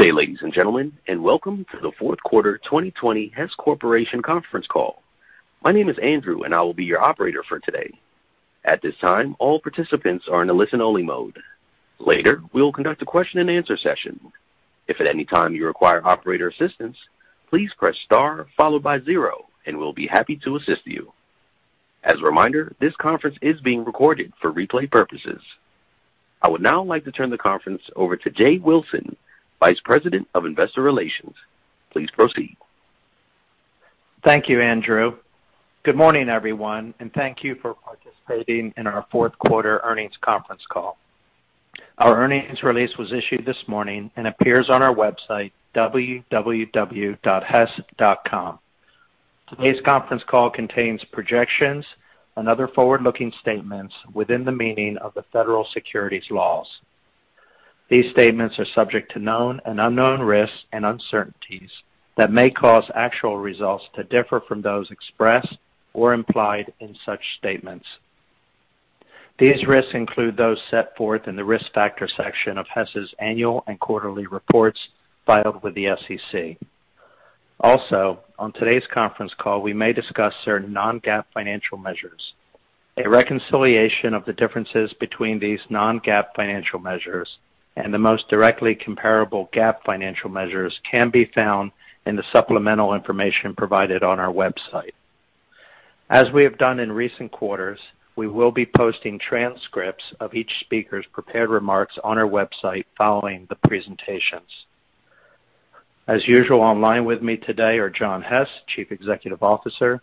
Good day, ladies and gentlemen, and welcome to the fourth quarter 2020 Hess Corporation conference call. My name is Andrew, and I will be your operator for today. At this time, all participants are in a listen-only mode. Later, we will conduct a question-and-answer session. If at any time you require operator assistance, please press star followed by zero, and we will be happy to assist you. As a reminder, this conference is being recorded for replay purposes. I would now like to turn the conference over to Jay Wilson, Vice President of Investor Relations. Please proceed. Thank you, Andrew. Good morning, everyone, and thank you for participating in our fourth quarter earnings conference call. Our earnings release was issued this morning and appears on our website, www.hess.com. Today's conference call contains projections and other forward-looking statements within the meaning of the federal securities laws. These statements are subject to known and unknown risks and uncertainties that may cause actual results to differ from those expressed or implied in such statements. These risks include those set forth in the risk factor section of Hess's annual and quarterly reports filed with the SEC. On today's conference call, we may discuss certain non-GAAP financial measures. A reconciliation of the differences between these non-GAAP financial measures and the most directly comparable GAAP financial measures can be found in the supplemental information provided on our website. As we have done in recent quarters, we will be posting transcripts of each speaker's prepared remarks on our website following the presentations. As usual, online with me today are John Hess, Chief Executive Officer;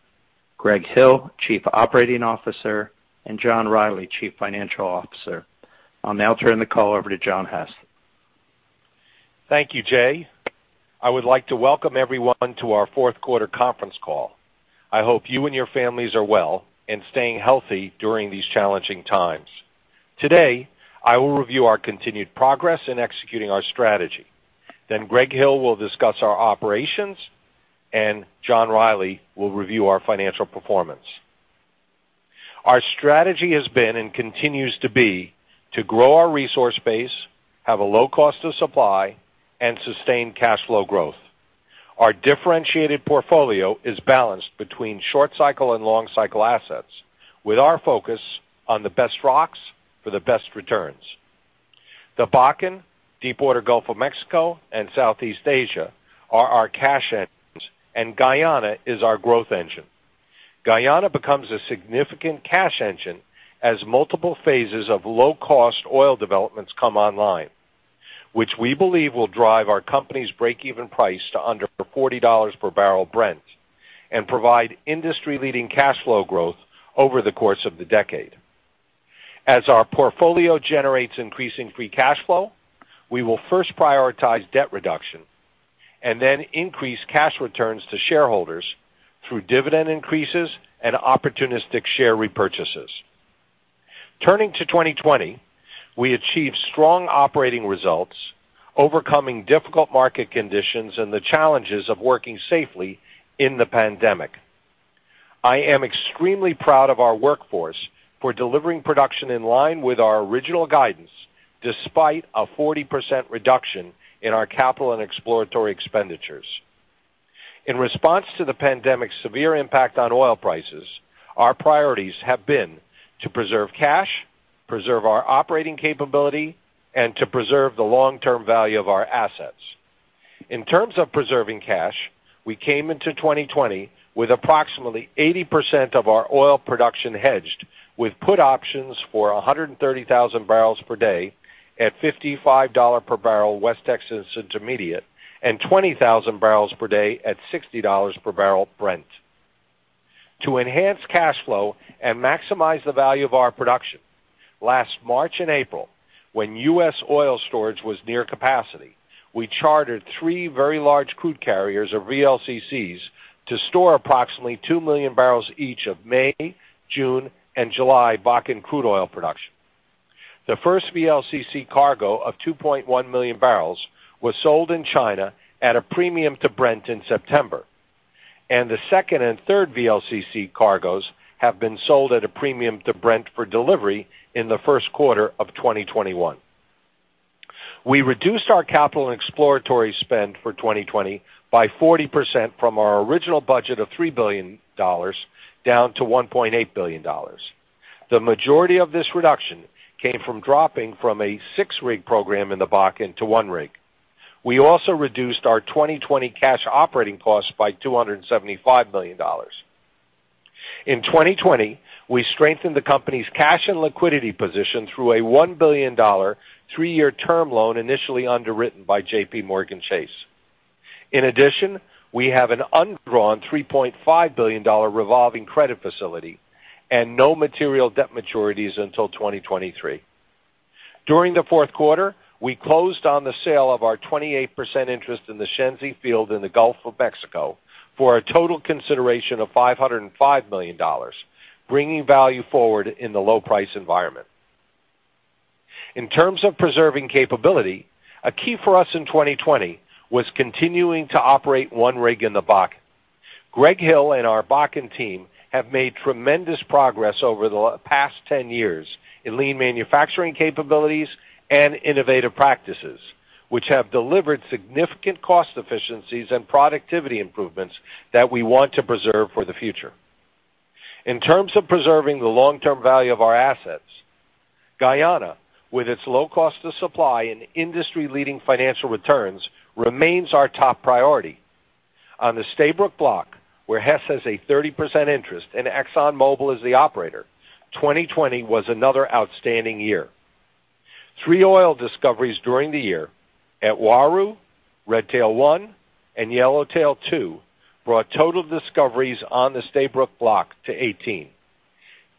Greg Hill, Chief Operating Officer; and John Rielly, Chief Financial Officer. I'll now turn the call over to John Hess. Thank you, Jay. I would like to welcome everyone to our fourth quarter conference call. I hope you and your families are well and staying healthy during these challenging times. Today, I will review our continued progress in executing our strategy. Greg Hill will discuss our operations, and John Rielly will review our financial performance. Our strategy has been and continues to be to grow our resource base, have a low cost of supply, and sustain cash flow growth. Our differentiated portfolio is balanced between short cycle and long cycle assets, with our focus on the best rocks for the best returns. The Bakken, deepwater Gulf of Mexico, and Southeast Asia are our cash engines, and Guyana is our growth engine. Guyana becomes a significant cash engine as multiple phases of low-cost oil developments come online, which we believe will drive our company's breakeven price to under $40/bbl Brent and provide industry-leading cash flow growth over the course of the decade. As our portfolio generates increasing free cash flow, we will first prioritize debt reduction and then increase cash returns to shareholders through dividend increases and opportunistic share repurchases. Turning to 2020, we achieved strong operating results, overcoming difficult market conditions and the challenges of working safely in the pandemic. I am extremely proud of our workforce for delivering production in line with our original guidance, despite a 40% reduction in our capital and exploratory expenditures. In response to the pandemic's severe impact on oil prices, our priorities have been to preserve cash, preserve our operating capability, and to preserve the long-term value of our assets. In terms of preserving cash, we came into 2020 with approximately 80% of our oil production hedged with put options for 130,000 bbl/day at $55/bbl West Texas Intermediate and 20,000 bbl/day at $60/bbl Brent. To enhance cash flow and maximize the value of our production, last March and April, when U.S. oil storage was near capacity, we chartered three very large crude carriers, or VLCCs, to store approximately 2 million bbl each of May, June, and July Bakken crude oil production. The first VLCC cargo of 2.1 million bbl was sold in China at a premium to Brent in September, and the second and third VLCC cargoes have been sold at a premium to Brent for delivery in the first quarter of 2021. We reduced our capital and exploratory spend for 2020 by 40% from our original budget of $3 billion down to $1.8 billion. The majority of this reduction came from dropping from a six-rig program in the Bakken to one rig. We also reduced our 2020 cash operating costs by $275 million. In 2020, we strengthened the company's cash and liquidity position through a $1 billion three-year term loan initially underwritten by JPMorgan Chase. In addition, we have an undrawn $3.5 billion revolving credit facility and no material debt maturities until 2023. During the fourth quarter, we closed on the sale of our 28% interest in the Shenzi Field in the Gulf of Mexico for a total consideration of $505 million, bringing value forward in the low price environment. In terms of preserving capability, a key for us in 2020 was continuing to operate one rig in the Bakken. Greg Hill and our Bakken team have made tremendous progress over the past 10 years in lean manufacturing capabilities and innovative practices, which have delivered significant cost efficiencies and productivity improvements that we want to preserve for the future. In terms of preserving the long-term value of our assets, Guyana, with its low cost of supply and industry-leading financial returns, remains our top priority. On the Stabroek Block, where Hess has a 30% interest and ExxonMobil is the operator, 2020 was another outstanding year. Three oil discoveries during the year at Uaru, Redtail-1, and Yellowtail-2 brought total discoveries on the Stabroek Block to 18.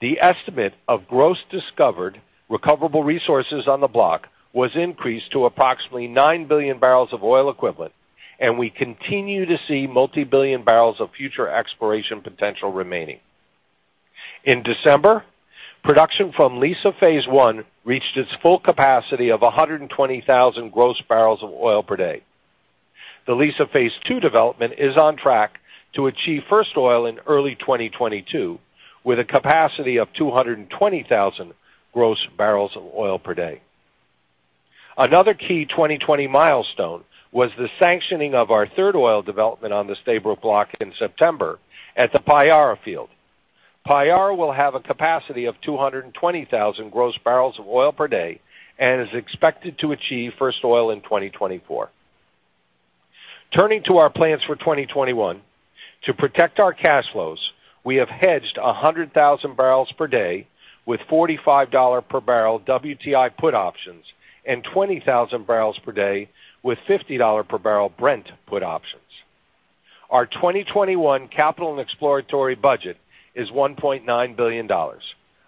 The estimate of gross discovered recoverable resources on the block was increased to approximately 9 billion BOE, and we continue to see multi-billion barrels of future exploration potential remaining. In December, production from Liza Phase 1 reached its full capacity of 120,000 gross bbl/day. The Liza Phase 2 development is on track to achieve first oil in early 2022, with a capacity of 220,000 gross bbl/day. Another key 2020 milestone was the sanctioning of our third oil development on the Stabroek Block in September at the Payara field. Payara will have a capacity of 220,000 gross bbl/day and is expected to achieve first oil in 2024. Turning to our plans for 2021, to protect our cash flows, we have hedged 100,000 bbl/day with $45/bbl WTI put options and 20,000 bbl/day with $50/bbl Brent put options. Our 2021 capital and exploratory budget is $1.9 billion,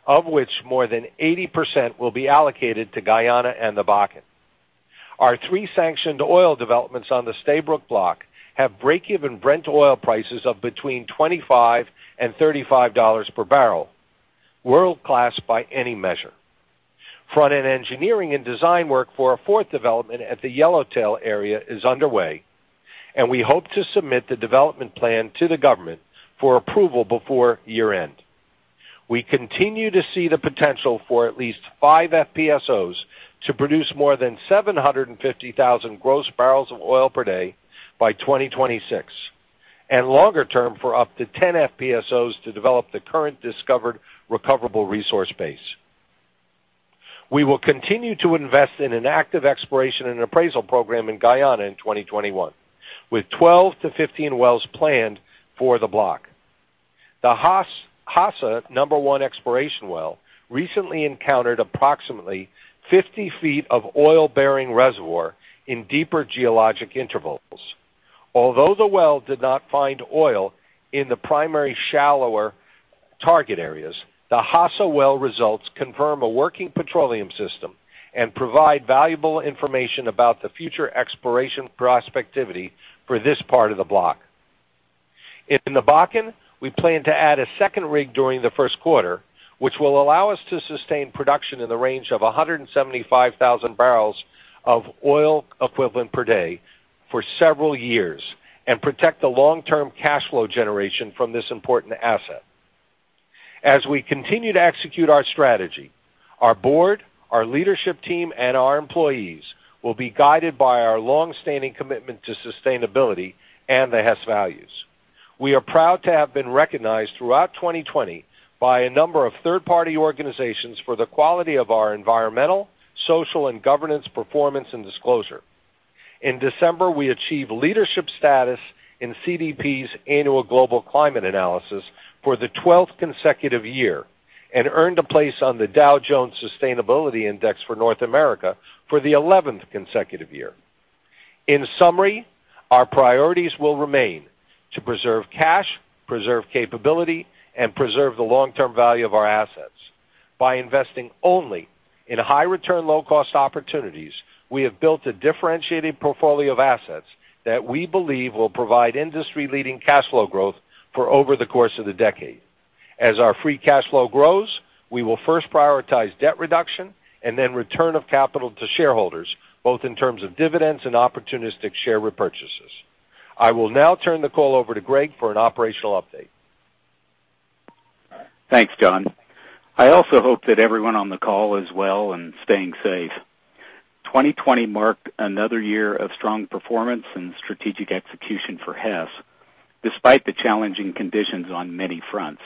of which more than 80% will be allocated to Guyana and the Bakken. Our three sanctioned oil developments on the Stabroek Block have breakeven Brent oil prices of between $25/bbl and $35/bbl. World-class by any measure. Front-end engineering and design work for a fourth development at the Yellowtail area is underway, and we hope to submit the development plan to the government for approval before year end. We continue to see the potential for at least five FPSOs to produce more than 750,000 gross bbl/day by 2026, and longer term, for up to 10 FPSOs to develop the current discovered recoverable resource base. We will continue to invest in an active exploration and appraisal program in Guyana in 2021, with 12 to 15 wells planned for the block. The Hassa-1 exploration well recently encountered approximately 50 ft of oil-bearing reservoir in deeper geologic intervals. Although the well did not find oil in the primary shallower target areas, the Hassa well results confirm a working petroleum system and provide valuable information about the future exploration prospectivity for this part of the block. In the Bakken, we plan to add a second rig during the first quarter, which will allow us to sustain production in the range of 175,000 BOE/day for several years and protect the long-term cash flow generation from this important asset. As we continue to execute our strategy, our board, our leadership team, and our employees will be guided by our long-standing commitment to sustainability and the Hess values. We are proud to have been recognized throughout 2020 by a number of third-party organizations for the quality of our environmental, social, and governance performance and disclosure. In December, we achieved leadership status in CDP's annual global climate analysis for the 12th consecutive year and earned a place on the Dow Jones Sustainability Index for North America for the 11th consecutive year. In summary, our priorities will remain: to preserve cash, preserve capability, and preserve the long-term value of our assets. By investing only in high-return, low-cost opportunities, we have built a differentiated portfolio of assets that we believe will provide industry-leading cash flow growth for over the course of the decade. As our free cash flow grows, we will first prioritize debt reduction and then return of capital to shareholders, both in terms of dividends and opportunistic share repurchases. I will now turn the call over to Greg for an operational update. Thanks, John. I also hope that everyone on the call is well and staying safe. 2020 marked another year of strong performance and strategic execution for Hess, despite the challenging conditions on many fronts.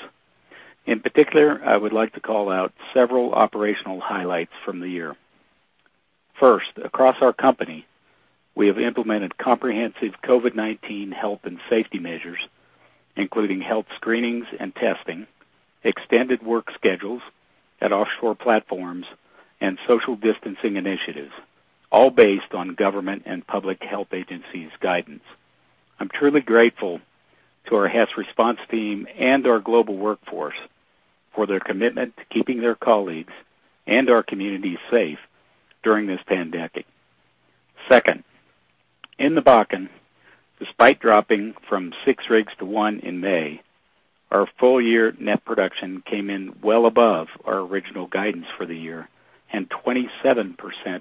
In particular, I would like to call out several operational highlights from the year. First, across our company, we have implemented comprehensive COVID-19 health and safety measures, including health screenings and testing, extended work schedules at offshore platforms, and social distancing initiatives, all based on government and public health agencies' guidance. I'm truly grateful to our Hess response team and our global workforce for their commitment to keeping their colleagues and our communities safe during this pandemic. Second, in the Bakken, despite dropping from six rigs to one in May, our full-year net production came in well above our original guidance for the year and 27%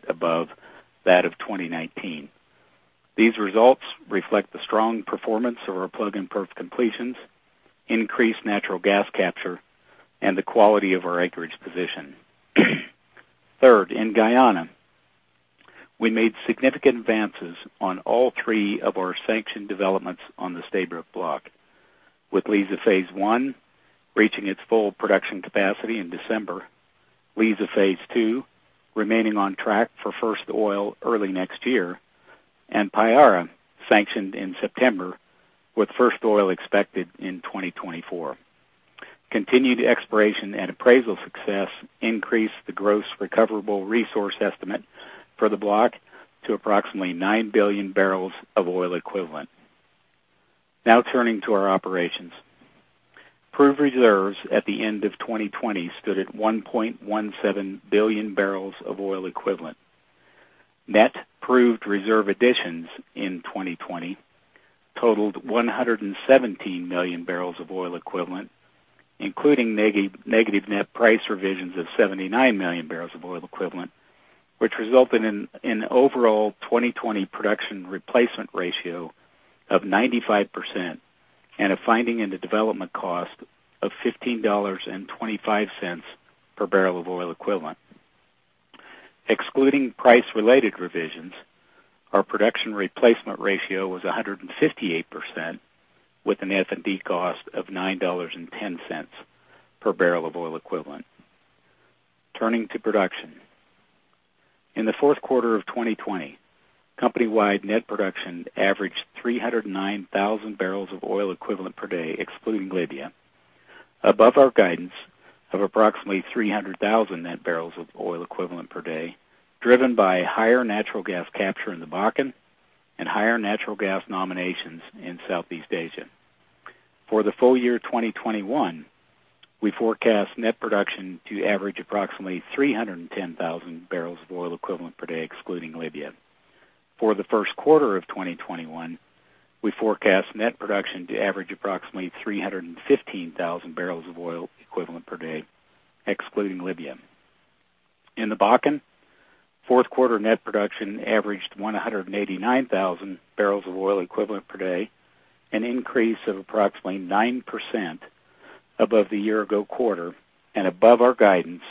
above that of 2019. These results reflect the strong performance of our plug and perf completions, increased natural gas capture, and the quality of our acreage position. Third, in Guyana, we made significant advances on all three of our sanctioned developments on the Stabroek Block, with Liza Phase 1 reaching its full production capacity in December, Liza Phase 2 remaining on track for first oil early next year, and Payara sanctioned in September, with first oil expected in 2024. Continued exploration and appraisal success increased the gross recoverable resource estimate for the block to approximately 9 billion BOE. Turning to our operations. Proved reserves at the end of 2020 stood at 1.17 billion BOE. Net proved reserve additions in 2020 totaled 117 million BOE, including negative net price revisions of 79 million BOE, which resulted in an overall 2020 production replacement ratio of 95% and a finding in the development cost of $15.25/BOE. Excluding price-related revisions, our production replacement ratio was 158%, with an F&D cost of $9.10/BOE. Turning to production. In the fourth quarter of 2020, company-wide net production averaged 309,000 BOE/day, excluding Libya, above our guidance of approximately 300,000 net BOE/day, driven by higher natural gas capture in the Bakken and higher natural gas nominations in Southeast Asia. For the full year 2021, we forecast net production to average approximately 310,000 BOE/day, excluding Libya. For the first quarter of 2021, we forecast net production to average approximately 315,000 BOE/day, excluding Libya. In the Bakken, fourth quarter net production averaged 189,000 BOE/day, an increase of approximately 9% above the year-ago quarter and above our guidance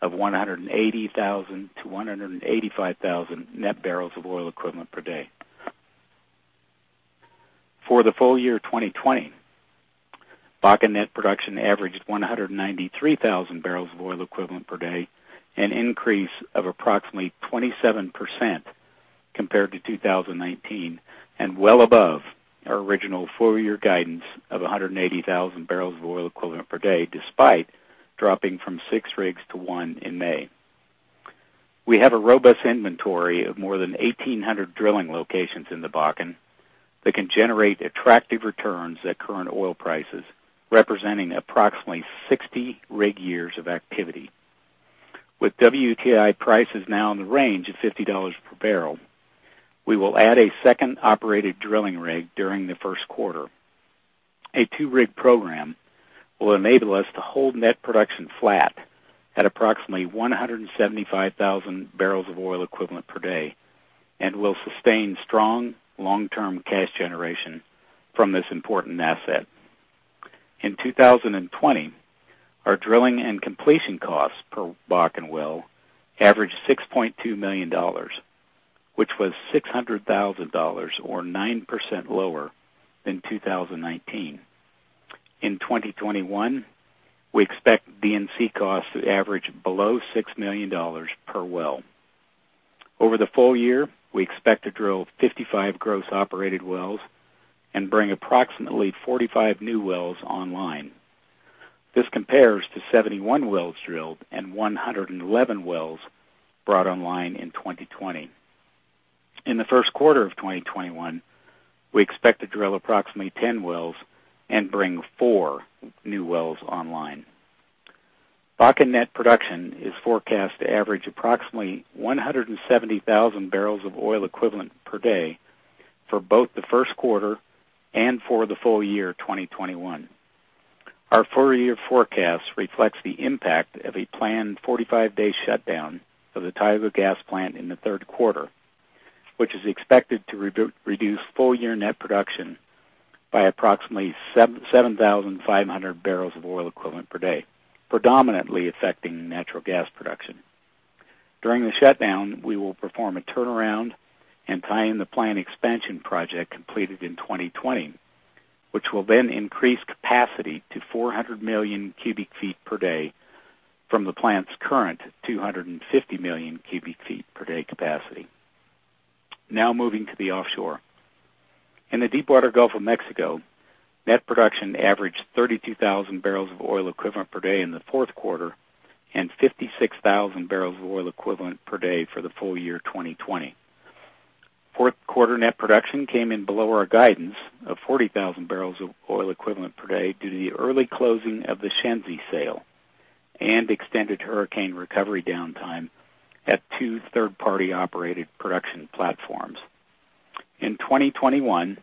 of 180,000 net BOE/day-185,000 net BOE/day. For the full year 2020, Bakken net production averaged 193,000 BOE/day, an increase of approximately 27% compared to 2019, and well above our original full-year guidance of 180,000 BOE/day, despite dropping from six rigs to one in May. We have a robust inventory of more than 1,800 drilling locations in the Bakken that can generate attractive returns at current oil prices, representing approximately 60 rig years of activity. With WTI prices now in the range of $50/bbl, we will add a second operated drilling rig during the first quarter. A two-rig program will enable us to hold net production flat at approximately 175,000 BOE/day and will sustain strong long-term cash generation from this important asset. In 2020, our drilling and completion costs per Bakken well averaged $6.2 million, which was $600,000, or 9% lower than 2019. In 2021, we expect D&C costs to average below $6 million per well. Over the full year, we expect to drill 55 gross operated wells and bring approximately 45 new wells online. This compares to 71 wells drilled and 111 wells brought online in 2020. In the first quarter of 2021, we expect to drill approximately 10 wells and bring four new wells online. Bakken net production is forecast to average approximately 170,000 BOE/day for both the first quarter and for the full year 2021. Our full-year forecast reflects the impact of a planned 45-day shutdown of the Tioga Gas Plant in the third quarter, which is expected to reduce full-year net production by approximately 7,500 BOE/day, predominantly affecting natural gas production. During the shutdown, we will perform a turnaround and tie in the plant expansion project completed in 2020, which will then increase capacity to 400 million cu ft/day from the plant's current 250 million cu ft/day capacity. Now moving to the offshore. In the deepwater Gulf of Mexico, net production averaged 32,000 BOE/day in the fourth quarter and 56,000 BOE/day for the full year 2020. Fourth quarter net production came in below our guidance of 40,000 BOE/day due to the early closing of the Shenzi sale and extended hurricane recovery downtime at two third-party operated production platforms. In 2021,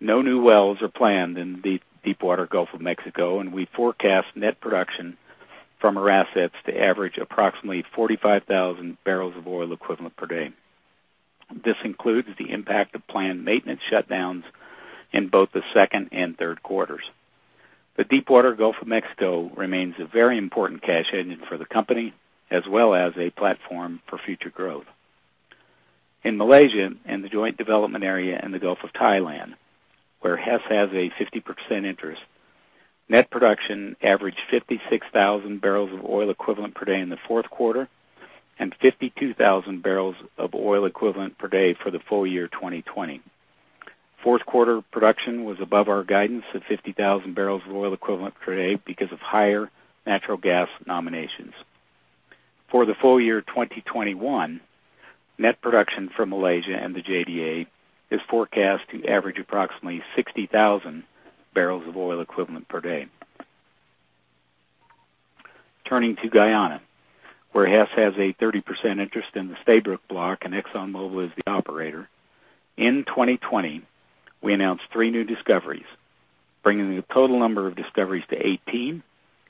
no new wells are planned in the deepwater Gulf of Mexico, and we forecast net production from our assets to average approximately 45,000 BOE/day. This includes the impact of planned maintenance shutdowns in both the second and third quarters. The deepwater Gulf of Mexico remains a very important cash engine for the company, as well as a platform for future growth. In Malaysia and the Joint Development Area in the Gulf of Thailand, where Hess has a 50% interest, net production averaged 56,000 BOE/day in the fourth quarter, and 52,000 BOE/day for the full year 2020. Fourth quarter production was above our guidance of 50,000 BOE/day because of higher natural gas nominations. For the full year 2021, net production from Malaysia and the JDA is forecast to average approximately 60,000 BOE/day. Turning to Guyana, where Hess has a 30% interest in the Stabroek Block and ExxonMobil is the operator. In 2020, we announced three new discoveries, bringing the total number of discoveries to 18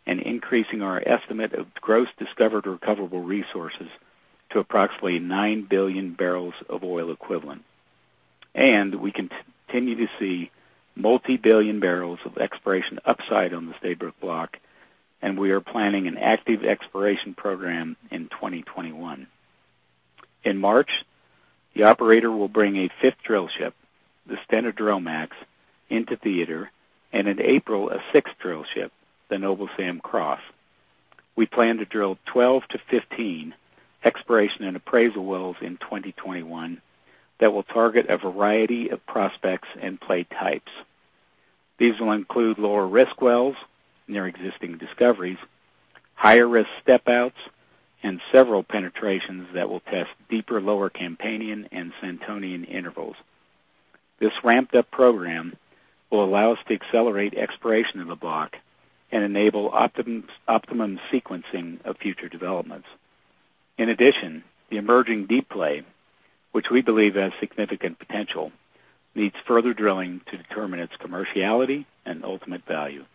and increasing our estimate of gross discovered recoverable resources to approximately 9 billion BOE. We continue to see multi-billion barrels of exploration upside on the Stabroek Block. We are planning an active exploration program in 2021. In March, the operator will bring a fifth drill ship, the Stena DrillMAX, into theater. In April, a sixth drill ship, the Noble Sam Croft. We plan to drill 12 to 15 exploration and appraisal wells in 2021 that will target a variety of prospects and play types. These will include lower risk wells near existing discoveries, higher risk step outs, and several penetrations that will test deeper lower Campanian and Santonian intervals. This ramped-up program will allow us to accelerate exploration in the block and enable optimum sequencing of future developments. In addition, the emerging deep play, which we believe has significant potential, needs further drilling to determine its commerciality and ultimate value.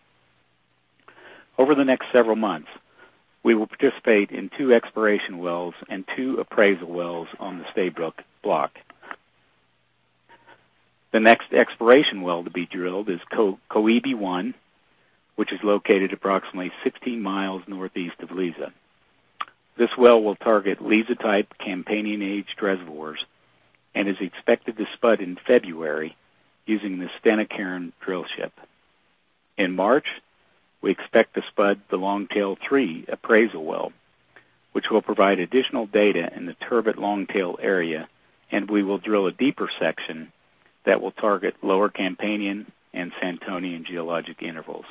Over the next several months, we will participate in two exploration wells and two appraisal wells on the Stabroek Block. The next exploration well to be drilled is Koebi-1, which is located approximately 16 mi northeast of Liza. This well will target Liza-type Campanian age reservoirs and is expected to spud in February using the Stena Carron drill ship. In March, we expect to spud the Longtail-3 appraisal well, which will provide additional data in the turbidite Longtail area, and we will drill a deeper section that will target lower Campanian and Santonian geologic intervals.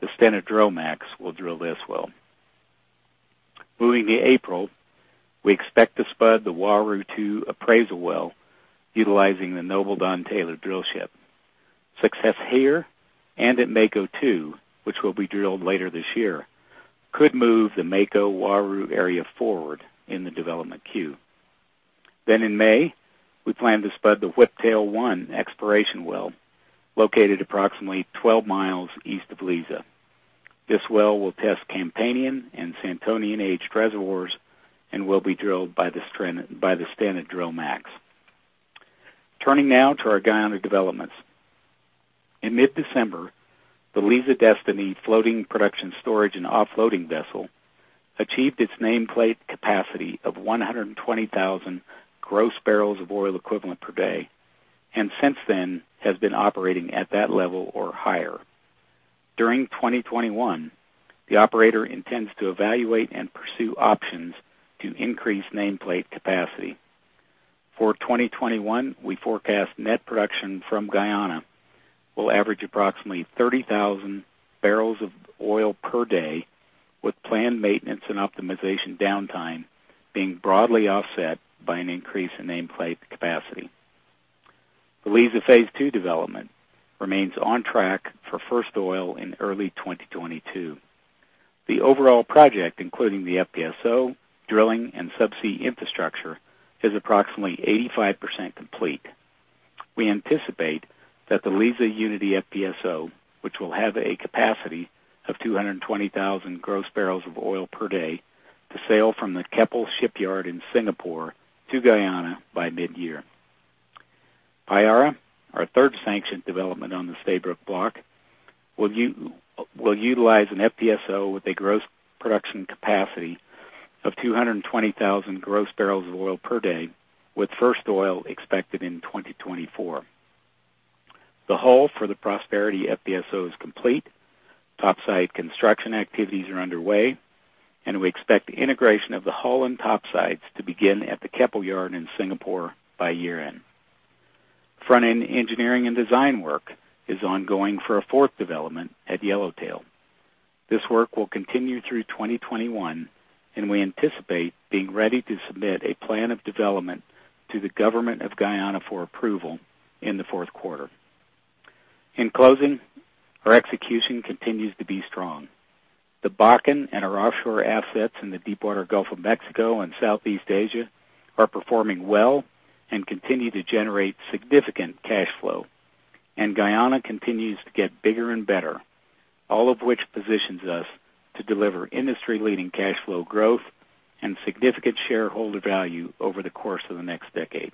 The Stena DrillMAX will drill this well. Moving to April, we expect to spud the Uaru-2 appraisal well utilizing the Noble Don Taylor drill ship. Success here and at Mako-2, which will be drilled later this year, could move the Mako-Uaru area forward in the development queue. In May, we plan to spud the Whiptail-1 exploration well, located approximately 12 mi east of Liza. This well will test Campanian and Santonian age reservoirs and will be drilled by the Stena DrillMAX. Turning now to our Guyana developments. In mid-December, the Liza Destiny floating production storage and offloading vessel achieved its nameplate capacity of 120,000 gross BOE/day, and since then has been operating at that level or higher. During 2021, the operator intends to evaluate and pursue options to increase nameplate capacity. For 2021, we forecast net production from Guyana will average approximately 30,000 bbl/day, with planned maintenance and optimization downtime being broadly offset by an increase in nameplate capacity. The Liza Phase 2 development remains on track for first oil in early 2022. The overall project, including the FPSO, drilling, and subsea infrastructure, is approximately 85% complete. We anticipate that the Liza Unity FPSO, which will have a capacity of 220,000 gross bbl/day, to sail from the Keppel shipyard in Singapore to Guyana by mid-year. Payara, our third sanctioned development on the Stabroek Block, will utilize an FPSO with a gross production capacity of 220,000 gross bbl/day, with first oil expected in 2024. The hull for the Prosperity FPSO is complete. Topside construction activities are underway. We expect integration of the hull and topsides to begin at the Keppel yard in Singapore by year end. Front-end engineering and design work is ongoing for a fourth development at Yellowtail. This work will continue through 2021. We anticipate being ready to submit a plan of development to the government of Guyana for approval in the fourth quarter. In closing, our execution continues to be strong. The Bakken and our offshore assets in the deepwater Gulf of Mexico and Southeast Asia are performing well and continue to generate significant cash flow. Guyana continues to get bigger and better, all of which positions us to deliver industry-leading cash flow growth and significant shareholder value over the course of the next decade.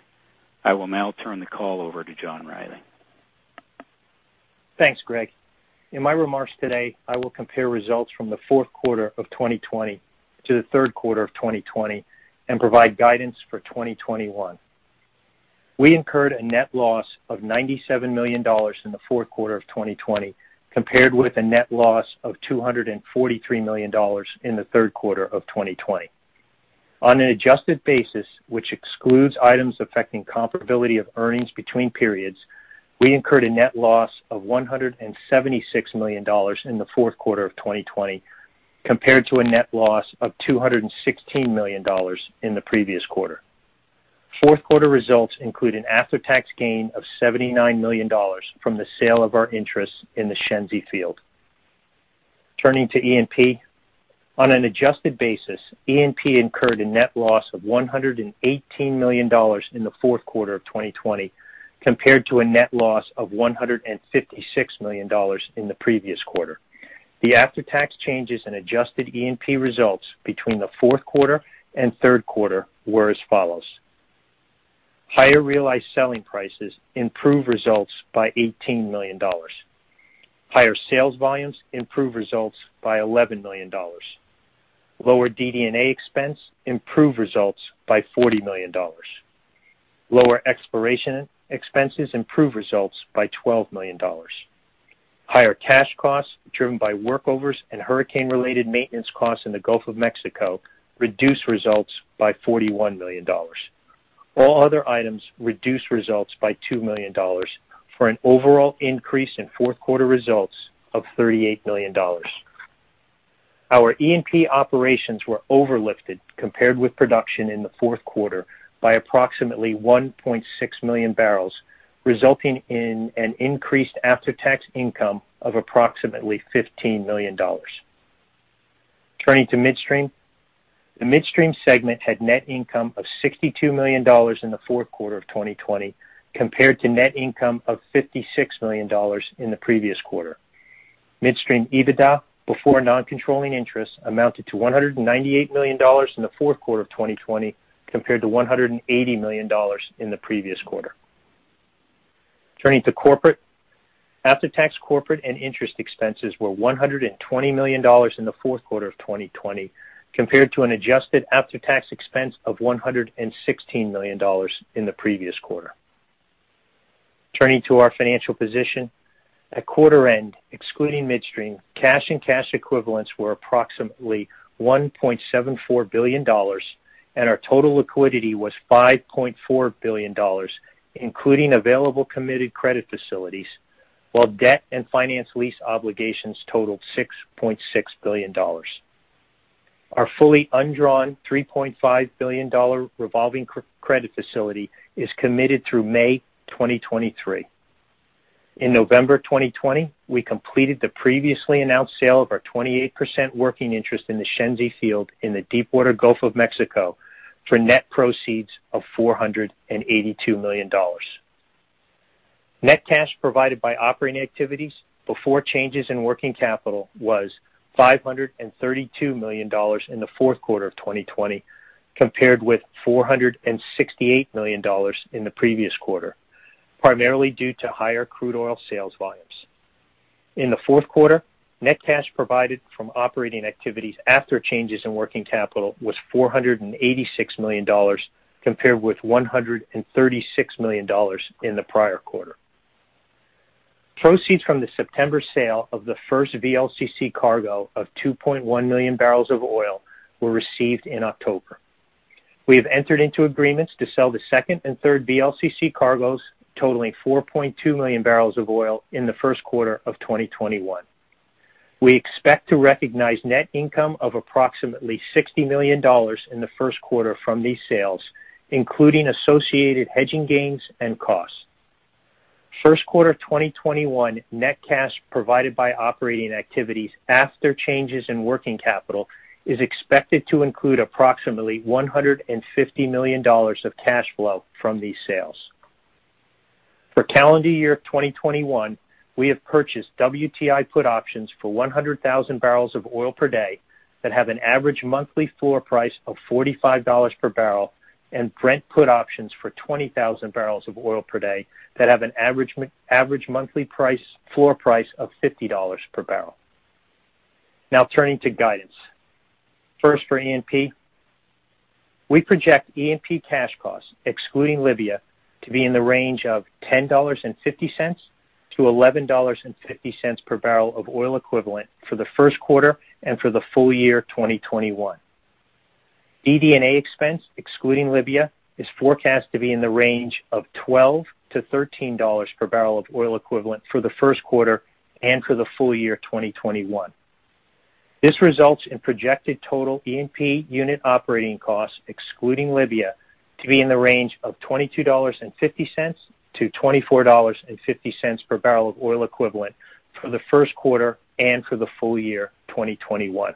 I will now turn the call over to John Rielly. Thanks, Greg. In my remarks today, I will compare results from the fourth quarter of 2020 to the third quarter of 2020 and provide guidance for 2021. We incurred a net loss of $97 million in the fourth quarter of 2020, compared with a net loss of $243 million in the third quarter of 2020. On an adjusted basis, which excludes items affecting comparability of earnings between periods, we incurred a net loss of $176 million in the fourth quarter of 2020, compared to a net loss of $216 million in the previous quarter. Fourth quarter results include an after-tax gain of $79 million from the sale of our interest in the Shenzi Field. Turning to E&P. On an adjusted basis, E&P incurred a net loss of $118 million in the fourth quarter of 2020, compared to a net loss of $156 million in the previous quarter. The after-tax changes in adjusted E&P results between the fourth quarter and third quarter were as follows. Higher realized selling prices improved results by $18 million. Higher sales volumes improved results by $11 million. Lower DD&A expense improved results by $40 million. Lower exploration expenses improved results by $12 million. Higher cash costs driven by workovers and hurricane-related maintenance costs in the Gulf of Mexico reduced results by $41 million. All other items reduced results by $2 million, for an overall increase in fourth quarter results of $38 million. Our E&P operations were overlifted compared with production in the fourth quarter by approximately 1.6 million bbl, resulting in an increased after-tax income of approximately $15 million. Turning to midstream. The midstream segment had net income of $62 million in the fourth quarter of 2020 compared to net income of $56 million in the previous quarter. Midstream EBITDA before non-controlling interest amounted to $198 million in the fourth quarter of 2020 compared to $180 million in the previous quarter. Turning to corporate. After-tax corporate and interest expenses were $120 million in the fourth quarter of 2020 compared to an adjusted after-tax expense of $116 million in the previous quarter. Turning to our financial position. At quarter end, excluding midstream, cash and cash equivalents were approximately $1.74 billion and our total liquidity was $5.4 billion, including available committed credit facilities, while debt and finance lease obligations totaled $6.6 billion. Our fully undrawn $3.5 billion revolving credit facility is committed through May 2023. In November 2020, we completed the previously announced sale of our 28% working interest in the Shenzi Field in the deepwater Gulf of Mexico for net proceeds of $482 million. Net cash provided by operating activities before changes in working capital was $532 million in the fourth quarter of 2020, compared with $468 million in the previous quarter, primarily due to higher crude oil sales volumes. In the fourth quarter, net cash provided from operating activities after changes in working capital was $486 million, compared with $136 million in the prior quarter. Proceeds from the September sale of the first VLCC cargo of 2.1 million bbl of oil were received in October. We have entered into agreements to sell the second and third VLCC cargoes totaling 4.2 million bbl of oil in the first quarter of 2021. We expect to recognize net income of approximately $60 million in the first quarter from these sales, including associated hedging gains and costs. First quarter 2021 net cash provided by operating activities after changes in working capital is expected to include approximately $150 million of cash flow from these sales. For calendar year 2021, we have purchased WTI put options for 100,000 bbl/day that have an average monthly floor price of $45/bbl and Brent put options for 20,000 bbl/day that have an average monthly floor price of $50/bbl. Turning to guidance. First, for E&P. We project E&P cash costs, excluding Libya, to be in the range of $10.50/BOE-$11.50/BOE for the first quarter and for the full year 2021. DD&A expense, excluding Libya, is forecast to be in the range of $12/BOE-$13/BOE for the first quarter and for the full year 2021. This results in projected total E&P unit operating costs, excluding Libya, to be in the range of $22.50/BOE-$24.50/BOE for the first quarter and for the full year 2021.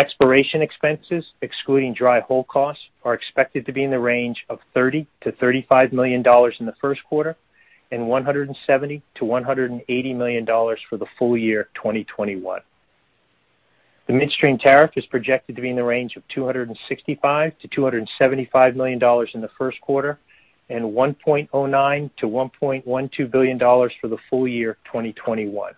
Exploration expenses, excluding dry hole costs, are expected to be in the range of $30 million-$35 million in the first quarter and $170 million-$180 million for the full year 2021. The midstream tariff is projected to be in the range of $265 million-$275 million in the first quarter and $1.09 billion-$1.12 billion for the full year 2021.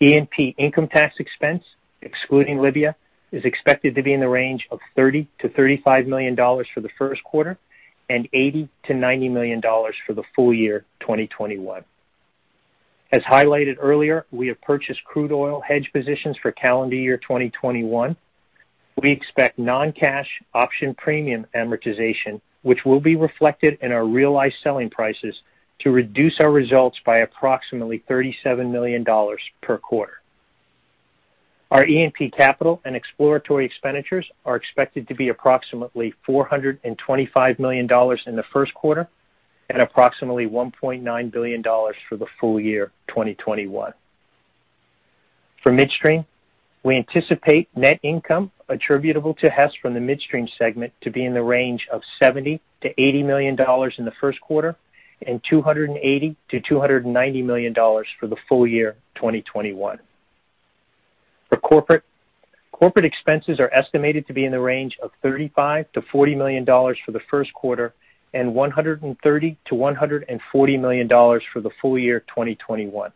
E&P income tax expense, excluding Libya, is expected to be in the range of $30 million-$35 million for the first quarter and $80 million-$90 million for the full year 2021. As highlighted earlier, we have purchased crude oil hedge positions for calendar year 2021. We expect non-cash option premium amortization, which will be reflected in our realized selling prices, to reduce our results by approximately $37 million per quarter. Our E&P capital and exploratory expenditures are expected to be approximately $425 million in the first quarter and approximately $1.9 billion for the full year 2021. For midstream, we anticipate net income attributable to Hess to be in the range of $70 million-$80 million in the first quarter and $280 million-$290 million for the full year 2021. Corporate expenses are estimated to be in the range of $35 million-$40 million for the first quarter and $130 million-$140 million for the full year 2021.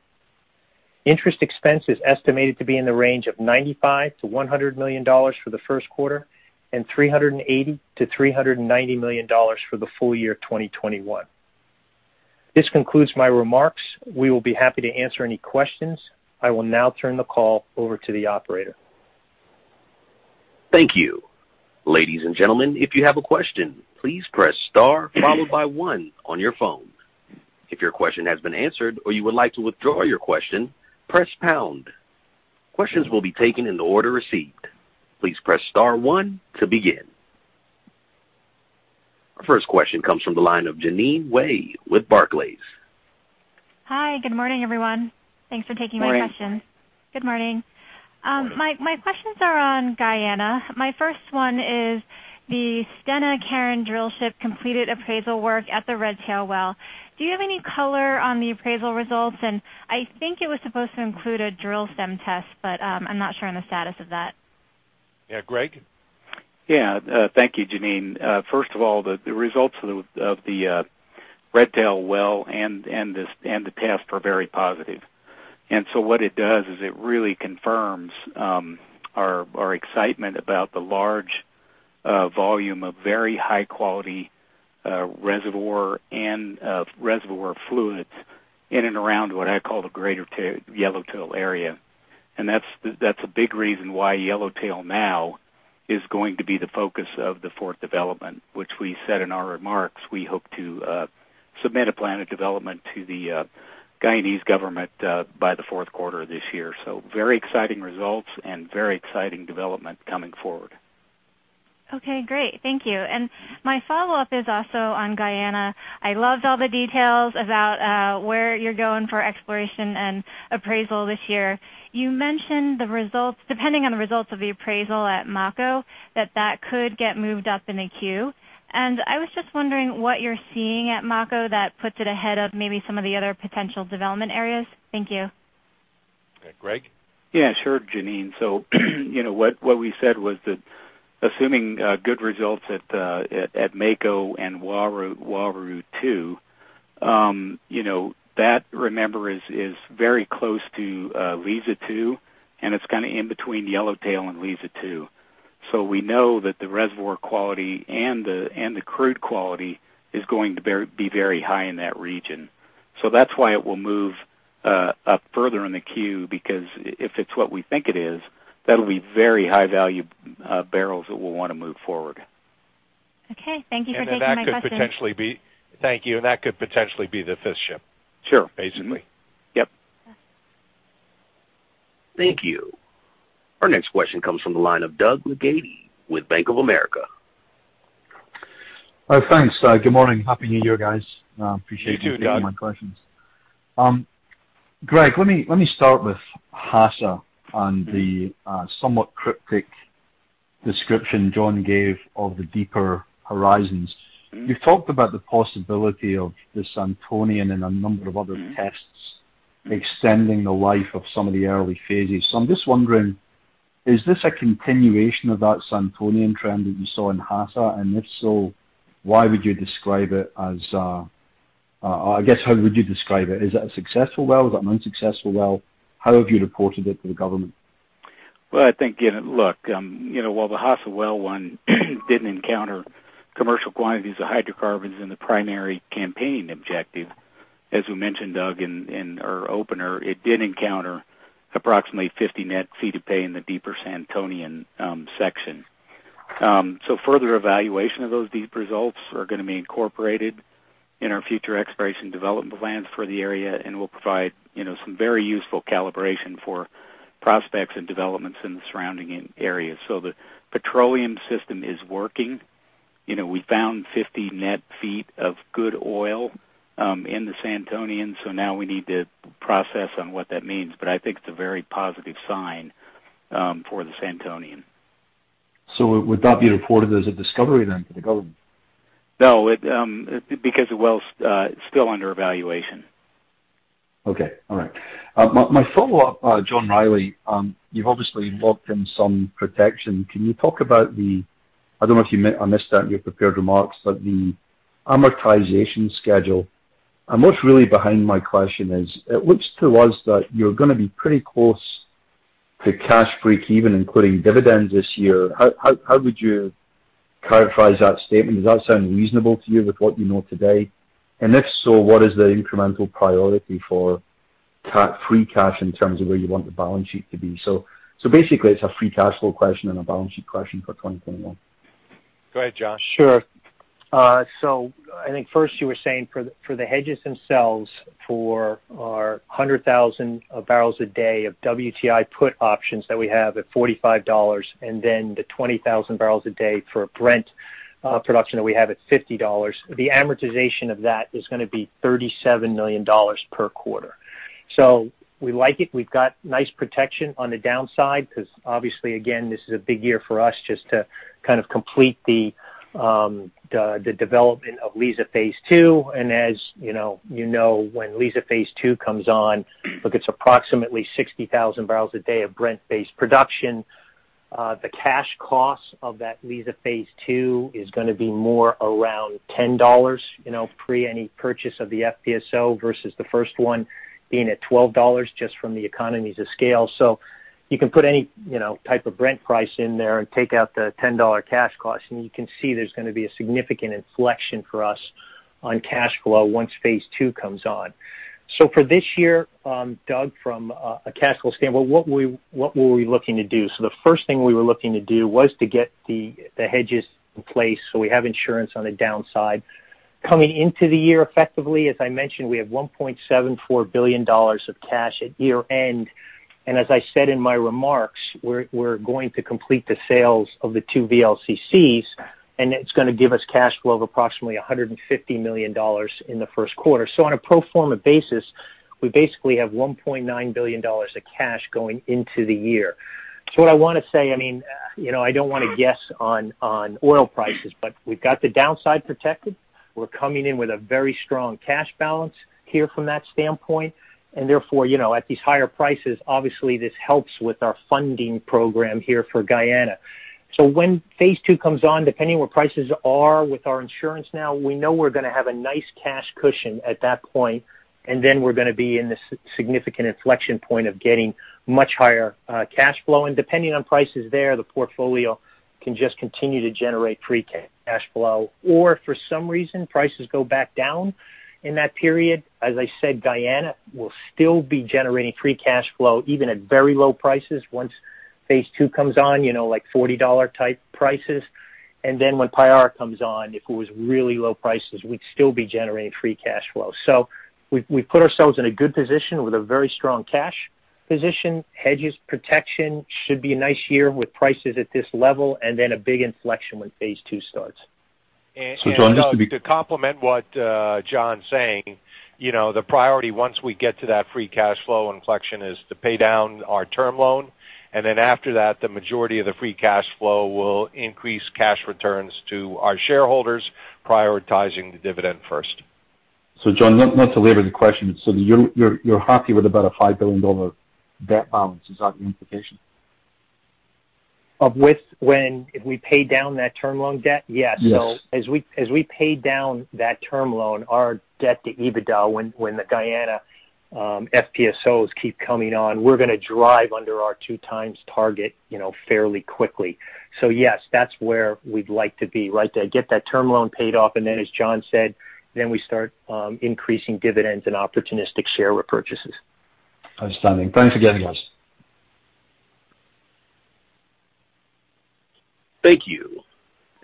Interest expense is estimated to be in the range of $95 million-$100 million for the first quarter and $380 million-$390 million for the full year 2021. This concludes my remarks. We will be happy to answer any questions. I will now turn the call over to the operator. Thank you. Ladies and gentlemen, if you have a question, please press star followed by one on your phone. If your question has been answered or you would like to withdraw your question, press pound. Questions will be taken in the order received. Please press star one to begin. Our first question comes from the line of Jeanine Wai with Barclays. Hi, good morning, everyone. Thanks for taking my question. Morning. Good morning. My questions are on Guyana. My first one is the Stena Carron drillship completed appraisal work at the Redtail well. Do you have any color on the appraisal results? I think it was supposed to include a drill stem test, but I'm not sure on the status of that. Greg? Thank you, Jeanine. First of all, the results of the Redtail well and the tests are very positive. What it does is it really confirms our excitement about the large volume of very high-quality reservoir and reservoir fluids in and around what I call the Greater Yellowtail area. That's a big reason why Yellowtail now is going to be the focus of the fourth development, which we said in our remarks, we hope to submit a plan of development to the Guyanese government by the fourth quarter of this year. Very exciting results and very exciting development coming forward. Great. Thank you. My follow-up is also on Guyana. I loved all the details about where you're going for exploration and appraisal this year. You mentioned depending on the results of the appraisal at Mako, that that could get moved up in the queue. I was just wondering what you're seeing at Mako that puts it ahead of maybe some of the other potential development areas. Thank you. Greg? Sure, Jeanine. What we said was that assuming good results at Mako and Uaru-2, that remember is very close to Liza-2, and it's kind of in between Yellowtail and Liza-2. We know that the reservoir quality and the crude quality is going to be very high in that region. That's why it will move up further in the queue, because if it's what we think it is, that'll be very high-value barrels that we'll want to move forward. Thank you for taking my question. Thank you. That could potentially be the fifth ship. Sure. Basically. Yep. Yes. Thank you. Our next question comes from the line of Doug Leggate with Bank of America. Thanks. Good morning. Happy New Year, guys. You too, Doug. Appreciate you taking my questions. Greg, let me start with Hassa and the somewhat cryptic description John gave of the deeper horizons. You've talked about the possibility of the Santonian and a number of other tests extending the life of some of the early phases. I'm just wondering, is this a continuation of that Santonian trend that you saw in Hassa? If so, why would you describe it as I guess, how would you describe it? Is that a successful well? Is that an unsuccessful well? How have you reported it to the government? Well, I think, while the Hassa-1 well didn't encounter commercial quantities of hydrocarbons in the primary Campanian objective, as we mentioned, Doug, in our opener, it did encounter approximately 50 net ft of pay in the deeper Santonian section. Further evaluation of those deep results are going to be incorporated in our future exploration development plans for the area, and will provide some very useful calibration for prospects and developments in the surrounding areas. The petroleum system is working. We found 50 net ft of good oil in the Santonian, now we need to process on what that means. I think it's a very positive sign for the Santonian. Would that be reported as a discovery then to the government? No, because the well's still under evaluation. All right. My follow-up, John Rielly, you've obviously locked in some protection. Can you talk about the—I don't know if I missed that in your prepared remarks, but the amortization schedule? What's really behind my question is, it looks to us that you're going to be pretty close to cash break even including dividends this year. How would you characterize that statement? Does that sound reasonable to you with what you know today? If so, what is the incremental priority for free cash in terms of where you want the balance sheet to be? Basically, it's a free cash flow question and a balance sheet question for 2021. Go ahead, John. Sure. I think first you were saying for the hedges themselves, for our 100,000 bbl/day of WTI put options that we have at $45, then the 20,000 bbl/day for Brent production that we have at $50, the amortization of that is going to be $37 million per quarter. We like it. We've got nice protection on the downside because obviously, again, this is a big year for us just to complete the development of Liza Phase 2. As you know, when Liza Phase 2 comes on, it's approximately 60,000 bbl/day of Brent-based production. The cash cost of that Liza Phase 2 is going to be more around $10, pre any purchase of the FPSO versus the first one being at $12 just from the economies of scale. You can put any type of Brent price in there and take out the $10 cash cost, and you can see there's going to be a significant inflection for us on cash flow once Phase 2 comes on. For this year, Doug, from a cash flow standpoint, what were we looking to do? The first thing we were looking to do was to get the hedges in place so we have insurance on the downside. Coming into the year effectively, as I mentioned, we have $1.74 billion of cash at year end. As I said in my remarks, we're going to complete the sales of the two VLCCs, and it's going to give us cash flow of approximately $150 million in the first quarter. On a pro forma basis, we basically have $1.9 billion of cash going into the year. What I want to say, I don't want to guess on oil prices, we've got the downside protected. We're coming in with a very strong cash balance here from that standpoint. Therefore, at these higher prices, obviously this helps with our funding program here for Guyana. When Phase 2 comes on, depending where prices are with our insurance now, we know we're going to have a nice cash cushion at that point, we're going to be in this significant inflection point of getting much higher cash flow. Depending on prices there, the portfolio can just continue to generate free cash flow. If for some reason prices go back down in that period, as I said, Guyana will still be generating free cash flow even at very low prices once Phase 2 comes on, like $40-type prices. When Payara comes on, if it was really low prices, we'd still be generating free cash flow. We've put ourselves in a good position with a very strong cash position. Hedges protection should be a nice year with prices at this level, and then a big inflection when Phase 2 starts. To complement what John's saying, the priority once we get to that free cash flow inflection is to pay down our term loan, and then after that, the majority of the free cash flow will increase cash returns to our shareholders, prioritizing the dividend first. John, not to labor the question, so you're happy with about a $5 billion debt balance? Is that the implication? Of when if we pay down that term loan debt? Yes. Yes. As we pay down that term loan, our debt-to-EBITDA, when the Guyana FPSOs keep coming on, we're going to drive under our 2x target fairly quickly. Yes, that's where we'd like to be. Right to get that term loan paid off, and then as John said, then we start increasing dividends and opportunistic share repurchases. Outstanding. Thanks again, guys. Thank you.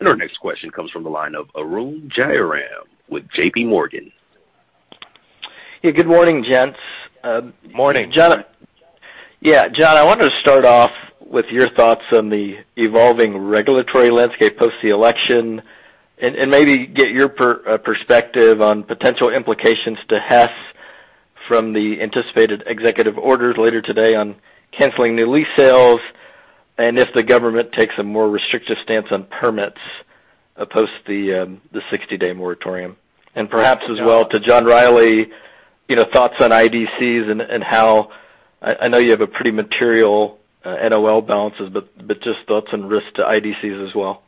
Our next question comes from the line of Arun Jayaram with JPMorgan. Good morning, gents. Morning. John, I wanted to start off with your thoughts on the evolving regulatory landscape post the election, and maybe get your perspective on potential implications to Hess from the anticipated executive orders later today on canceling new lease sales, and if the government takes a more restrictive stance on permits post the 60-day moratorium. Perhaps as well to John Rielly, thoughts on IDCs. I know you have a pretty material NOL balances, but just thoughts on risk to IDCs as well.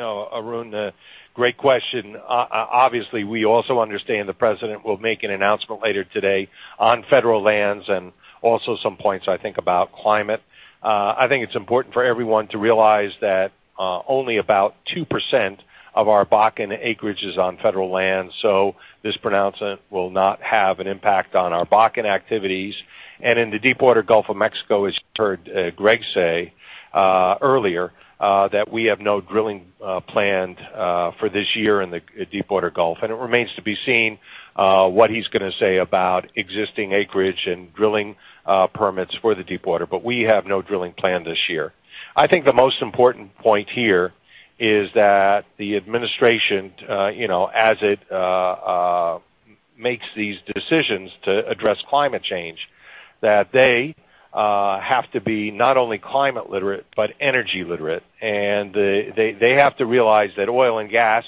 Arun, great question. Obviously, we also understand the president will make an announcement later today on federal lands and also some points, I think, about climate. I think it's important for everyone to realize that only about 2% of our Bakken acreage is on federal land, so this pronouncement will not have an impact on our Bakken activities. In the deepwater Gulf of Mexico, as you heard Greg say earlier, that we have no drilling planned for this year in the deepwater Gulf. It remains to be seen what he's going to say about existing acreage and drilling permits for the deepwater, but we have no drilling plan this year. I think the most important point here is that the administration, as it makes these decisions to address climate change, that they have to be not only climate literate, but energy literate. They have to realize that oil and gas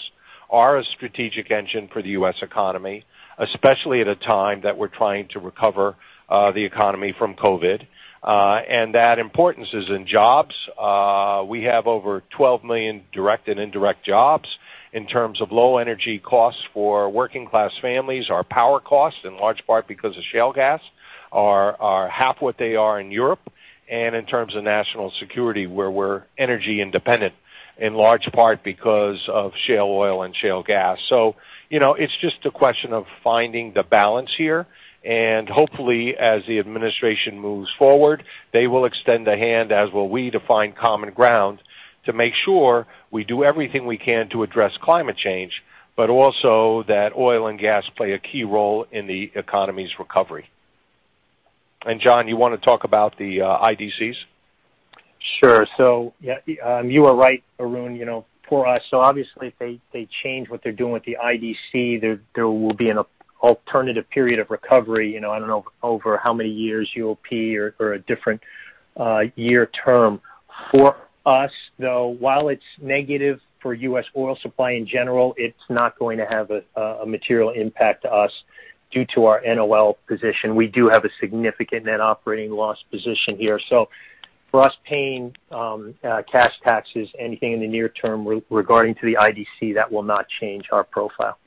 are a strategic engine for the U.S. economy, especially at a time that we're trying to recover the economy from COVID. That importance is in jobs. We have over 12 million direct and indirect jobs in terms of low energy costs for working class families. Our power costs, in large part because of shale gas, are half what they are in Europe. In terms of national security, where we're energy independent, in large part because of shale oil and shale gas. It's just a question of finding the balance here, and hopefully, as the administration moves forward, they will extend a hand, as will we, to find common ground to make sure we do everything we can to address climate change, but also that oil and gas play a key role in the economy's recovery. John, you want to talk about the IDCs? Sure. You are right, Arun. For us, obviously if they change what they're doing with the IDC, there will be an alternative period of recovery. I don't know over how many years you will [peer] for a different year term. For us, though, while it's negative for U.S. oil supply in general, it's not going to have a material impact to us due to our NOL position. We do have a significant net operating loss position here. For us paying cash taxes, anything in the near term regarding to the IDC, that will not change our profile.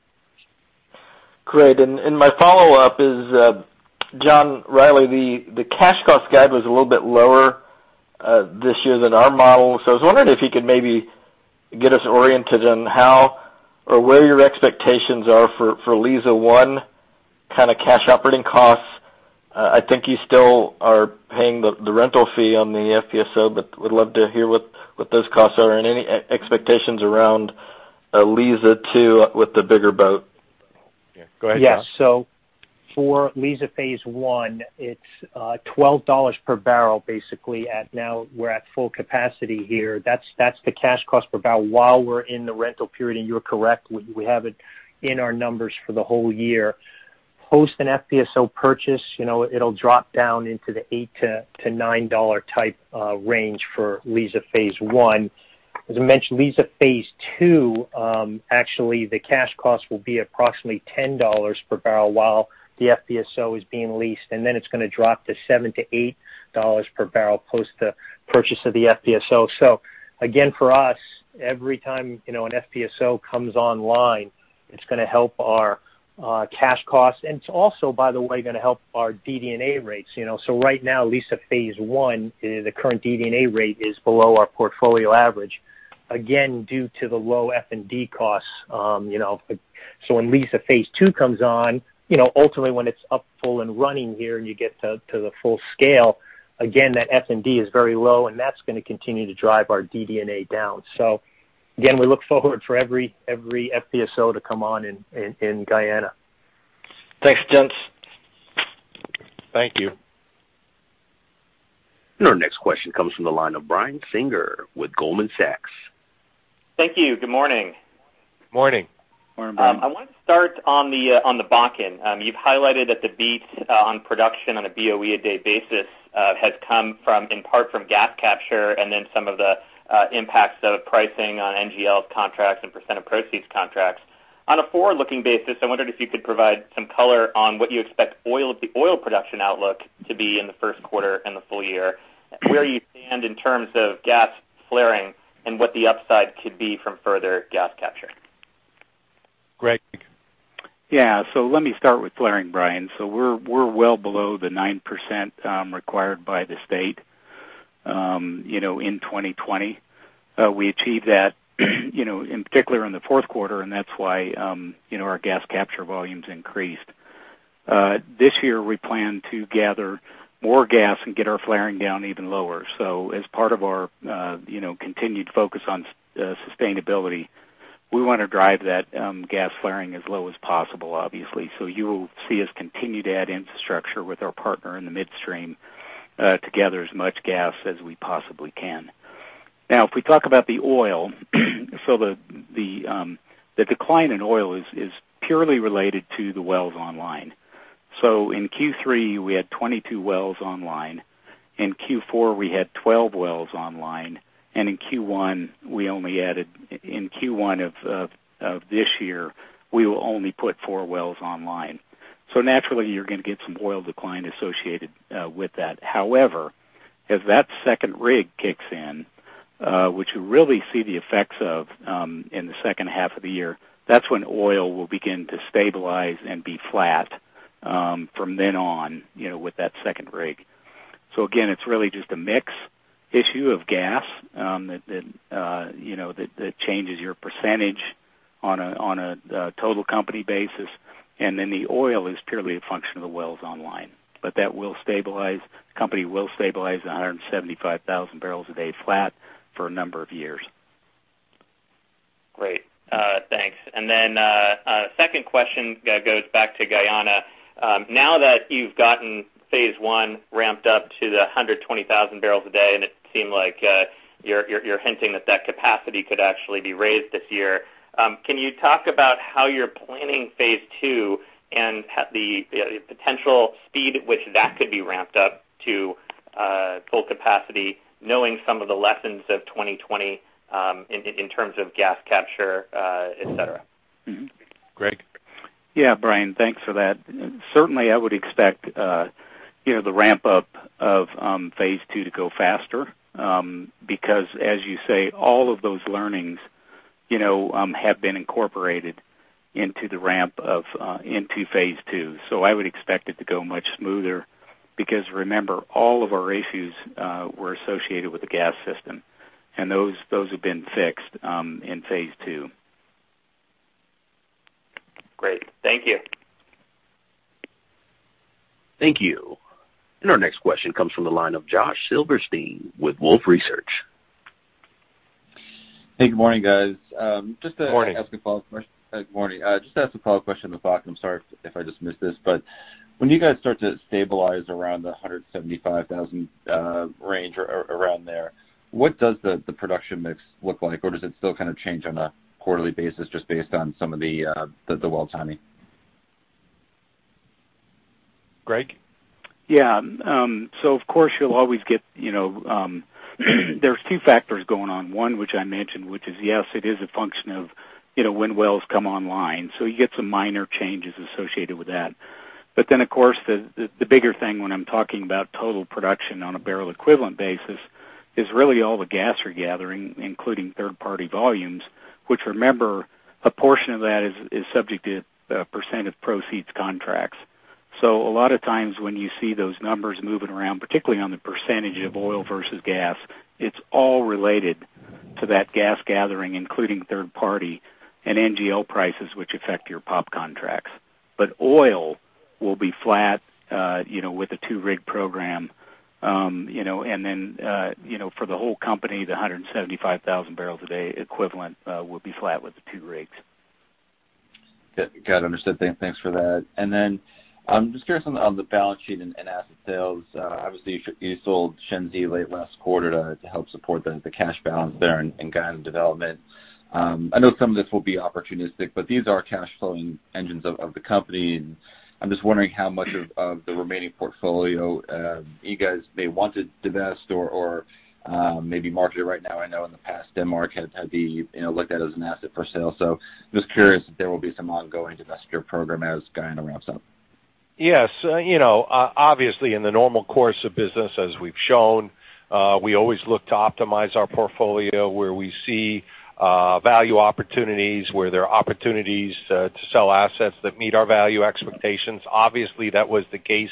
Great. My follow-up is, John Rielly, the cash cost guide was a little bit lower this year than our model. I was wondering if you could maybe get us oriented on how or where your expectations are for Liza-1 kind of cash operating costs. I think you still are paying the rental fee on the FPSO, but would love to hear what those costs are and any expectations around Liza-2 with the bigger boat. Go ahead, John. For Liza Phase 1, it's $12/bbl, basically. Now, we're at full capacity here. That's the cash cost per barrel while we're in the rental period. You're correct, we have it in our numbers for the whole year. Post an FPSO purchase, it'll drop down into the $8 to $9-type range for Liza Phase 1. As I mentioned, Liza Phase 2, actually, the cash cost will be approximately $10/bbl while the FPSO is being leased, and then it's going to drop to $7/bbl-$8/bbl post the purchase of the FPSO. Again, for us, every time an FPSO comes online, it's going to help our cash costs, and it's also, by the way, going to help our DD&A rates. Right now, Liza Phase 1, the current DD&A rate is below our portfolio average, again, due to the low F&D costs. When Liza Phase 2 comes on, ultimately when it's up full and running here and you get to the full scale, again, that F&D is very low, and that's going to continue to drive our DD&A down. Again, we look forward for every FPSO to come on in Guyana. Thanks, gents. Thank you. Our next question comes from the line of Brian Singer with Goldman Sachs. Thank you. Good morning. Morning. Morning, Brian. I wanted to start on the Bakken. You've highlighted that the beats on production on a BOE a day basis has come from, in part from gas capture and then some of the impacts of pricing on NGL contracts and percent of proceeds contracts. On a forward-looking basis, I wondered if you could provide some color on what you expect the oil production outlook to be in the first quarter and the full year, where you stand in terms of gas flaring, and what the upside could be from further gas capture. Greg? Let me start with flaring, Brian. We're well below the 9% required by the state in 2020. We achieved that in particular in the fourth quarter, that's why our gas capture volumes increased. This year we plan to gather more gas and get our flaring down even lower. As part of our continued focus on sustainability, we want to drive that gas flaring as low as possible, obviously. You will see us continue to add infrastructure with our partner in the midstream to gather as much gas as we possibly can. Now, if we talk about the oil, the decline in oil is purely related to the wells online. In Q3, we had 22 wells online, in Q4 we had 12 wells online, and in Q1 of this year, we will only put four wells online. Naturally, you're going to get some oil decline associated with that. However, as that second rig kicks in, which you really see the effects of in the second half of the year, that's when oil will begin to stabilize and be flat from then on, with that second rig. Again, it's really just a mix issue of gas that changes your percentage on a total company basis, and then the oil is purely a function of the wells online. That will stabilize. The company will stabilize at 175,000 bbl/day flat for a number of years. Great. Thanks. Second question goes back to Guyana. Now that you've gotten Phase 1 ramped up to the 120,000 bbl/day, and it seemed like you're hinting that that capacity could actually be raised this year. Can you talk about how you're planning Phase 2 and the potential speed at which that could be ramped up to full capacity, knowing some of the lessons of 2020, in terms of gas capture, et cetera? Greg? Brian, thanks for that. Certainly, I would expect the ramp up of Phase 2 to go faster, because as you say, all of those learnings have been incorporated into Phase 2. I would expect it to go much smoother, because remember, all of our issues were associated with the gas system, and those have been fixed in Phase 2. Great. Thank you. Thank you. Our next question comes from the line of Josh Silverstein with Wolfe Research. Hey, good morning, guys. Morning. Good morning. Just to ask a follow-up question to Bakken. I'm sorry if I just missed this, but when you guys start to stabilize around the 175,000 bbl/day range or around there, what does the production mix look like? Does it still change on a quarterly basis just based on some of the well timing? Greg? Of course, there's two factors going on. One which I mentioned, which is, yes, it is a function of when wells come online. You get some minor changes associated with that. Of course, the bigger thing when I'm talking about total production on a barrel equivalent basis is really all the gas we're gathering, including third-party volumes, which remember, a portion of that is subject to a percent of proceeds contracts. A lot of times when you see those numbers moving around, particularly on the percentage of oil versus gas, it's all related to that gas gathering, including third-party and NGL prices, which affect your POP contracts. Oil will be flat with a two-rig program. For the whole company, the 175,000 bbl/day equivalent will be flat with the two rigs. Got it, understood. Thanks for that. I'm just curious on the balance sheet and asset sales. Obviously, you sold Shenzi late last quarter to help support the cash balance there in Guyana development. I know some of this will be opportunistic, but these are cash flowing engines of the company, and I'm just wondering how much of the remaining portfolio you guys may want to divest or maybe market it right now. I know in the past, Denmark had been looked at as an asset for sale. I'm just curious if there will be some ongoing divestiture program as Guyana ramps up. Obviously, in the normal course of business, as we've shown, we always look to optimize our portfolio where we see value opportunities, where there are opportunities to sell assets that meet our value expectations. Obviously, that was the case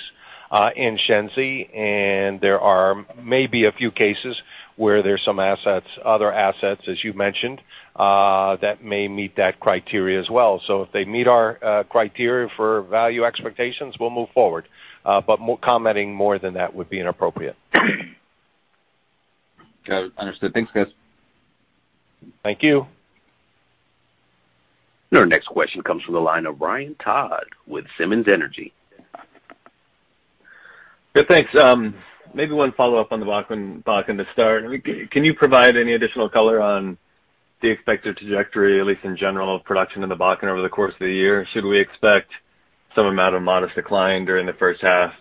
in Shenzi. There are maybe a few cases where there's some other assets, as you mentioned, that may meet that criteria as well. If they meet our criteria for value expectations, we'll move forward. Commenting more than that would be inappropriate. Got it. Understood. Thanks, guys. Thank you. Our next question comes from the line of Ryan Todd with Simmons Energy. Good, thanks. Maybe one follow-up on the Bakken to start. Can you provide any additional color on the expected trajectory, at least in general, of production in the Bakken over the course of the year? Should we expect some amount of modest decline during the first half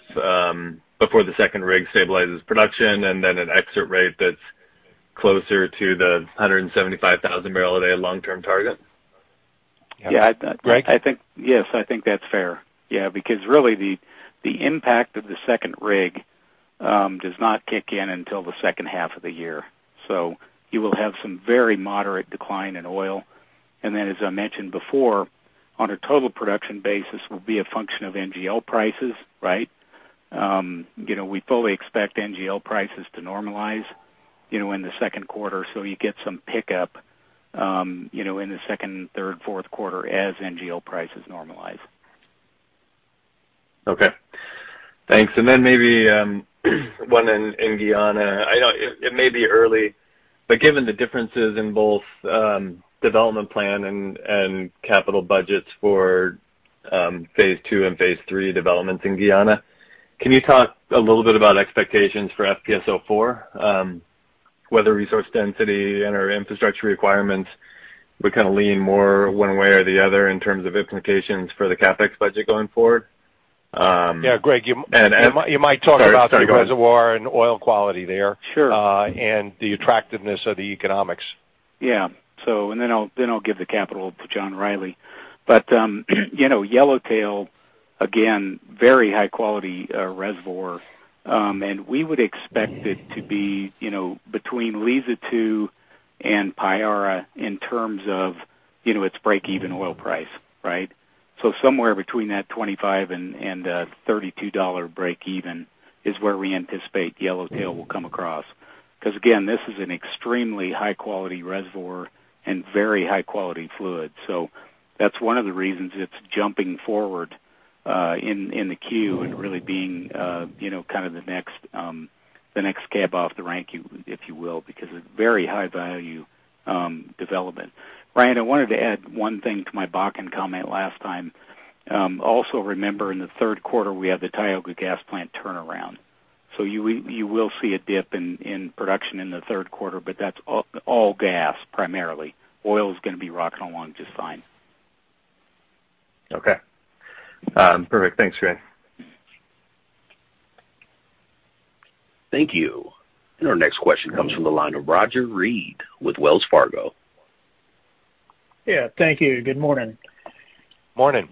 before the second rig stabilizes production, and then an exit rate that's closer to the 175,000 bbl/day long-term target? Greg? I think that's fair, because really the impact of the second rig does not kick in until the second half of the year. You will have some very moderate decline in oil, and then as I mentioned before, on a total production basis will be a function of NGL prices. We fully expect NGL prices to normalize in the second quarter, so you get some pickup in the second, third, fourth quarter as NGL prices normalize. Thanks. Maybe one in Guyana, I know it may be early, but given the differences in both development plan and capital budgets for Phase 2 and Phase 3 developments in Guyana, can you talk a little bit about expectations for FPSO? Whether resource density and/or infrastructure requirements would lean more one way or the other in terms of implications for the CapEx budget going forward. Greg, you might talk about the reservoir and oil quality there- Sure.... and the attractiveness of the economics. Yeah. Then I'll give the capital to John Rielly. Yellowtail, again, very high-quality reservoir. We would expect it to be between Liza-2 and Payara in terms of its breakeven oil price. Somewhere between that $25-$32 breakeven is where we anticipate Yellowtail will come across. Again, this is an extremely high-quality reservoir and very high-quality fluid. That's one of the reasons it's jumping forward in the queue and really being the next cab off the rank, if you will, because it's a very high-value development. Ryan, I wanted to add one thing to my Bakken comment last time. Also remember, in the third quarter, we have the Tioga Gas Plant turnaround. You will see a dip in production in the third quarter, but that's all gas, primarily. Oil is going to be rocking along just fine. Perfect. Thanks, Greg. Thank you. Our next question comes from the line of Roger Read with Wells Fargo. Thank you. Good morning. Morning.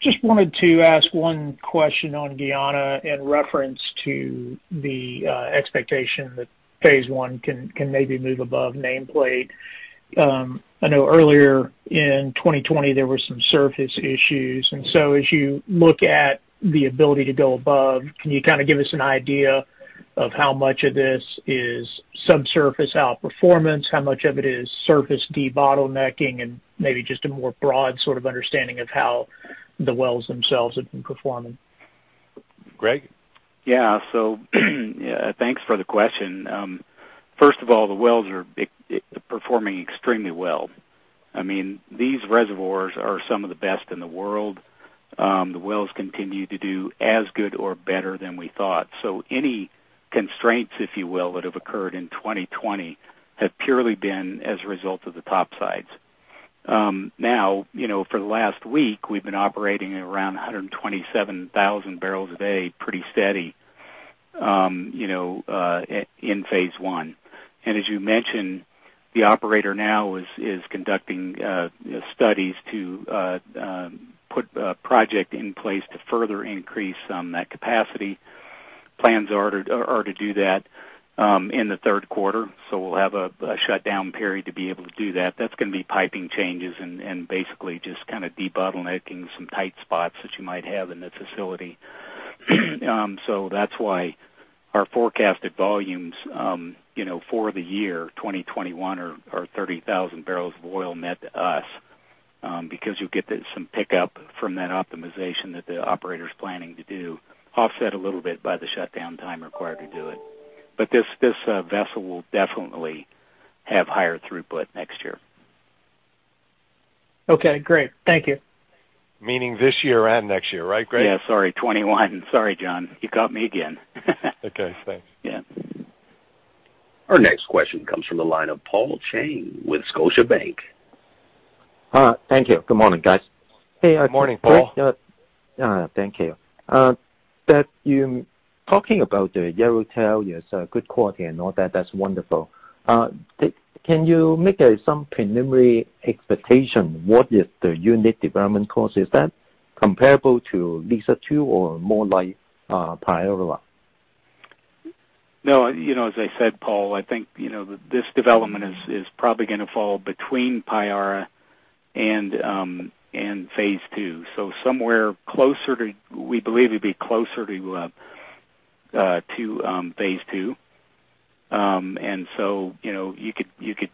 Just wanted to ask one question on Guyana in reference to the expectation that Phase 1 can maybe move above nameplate. I know earlier in 2020, there were some surface issues, and so as you look at the ability to go above, can you give us an idea of how much of this is subsurface outperformance, how much of it is surface debottlenecking, and maybe just a more broad sort of understanding of how the wells themselves have been performing? Greg? Thanks for the question. First of all, the wells are performing extremely well. These reservoirs are some of the best in the world. The wells continue to do as good or better than we thought. Any constraints, if you will, that have occurred in 2020 have purely been as a result of the topsides. For the last week, we've been operating around 127,000 bbl/day pretty steady in Phase 1. As you mentioned, the operator now is conducting studies to put a project in place to further increase that capacity. Plans are to do that in the third quarter, we'll have a shutdown period to be able to do that. That's going to be piping changes and basically just debottlenecking some tight spots that you might have in the facility. That's why our forecasted volumes for the year 2021 are 30,000 bbl of oil net to us, because you'll get some pickup from that optimization that the operator's planning to do, offset a little bit by the shutdown time required to do it. This vessel will definitely have higher throughput next year. Great. Thank you. Meaning this year and next year, right, Greg? Yeah, sorry, 2021. Sorry, John, you got me again. Okay, thanks. Our next question comes from the line of Paul Cheng with Scotiabank. Thank you. Good morning, guys. Hey. Morning, Paul. Thank you. You're talking about the Yellowtail, it's good quality and all that. That's wonderful. Can you make some preliminary expectation? What is the unit development cost? Is that comparable to Liza-2 or more like Payara? No, as I said, Paul, I think this development is probably going to fall between Payara and Phase 2. We believe it'd be closer to Phase 2. You could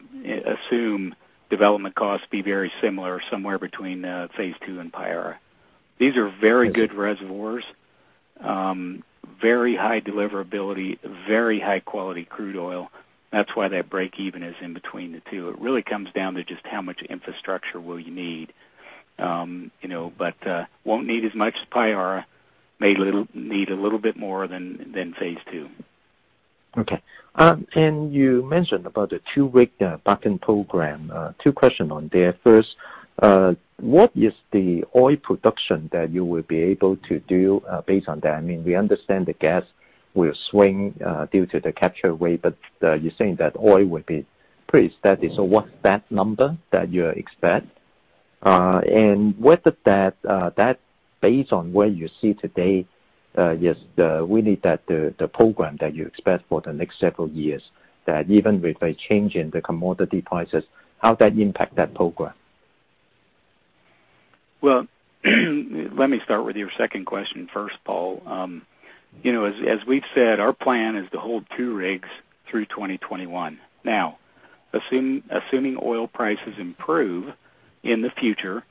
assume development costs be very similar, somewhere between Phase 2 and Payara. These are very good reservoirs. Very high deliverability, very high-quality crude oil. That's why that breakeven is in between the two. It really comes down to just how much infrastructure will you need. Won't need as much as Payara. May need a little bit more than Phase 2. You mentioned about the two-rig Bakken program. Two questions on there. First, what is the oil production that you will be able to do based on that? We understand the gas will swing due to the capture rate, but you're saying that oil will be pretty steady. What's that number that you expect? Whether that based on where you see today, is really the program that you expect for the next several years, that even with a change in the commodity prices, how that impact that program? Well, let me start with your second question first, Paul. As we've said, our plan is to hold two rigs through 2021. Assuming oil prices improve in the future,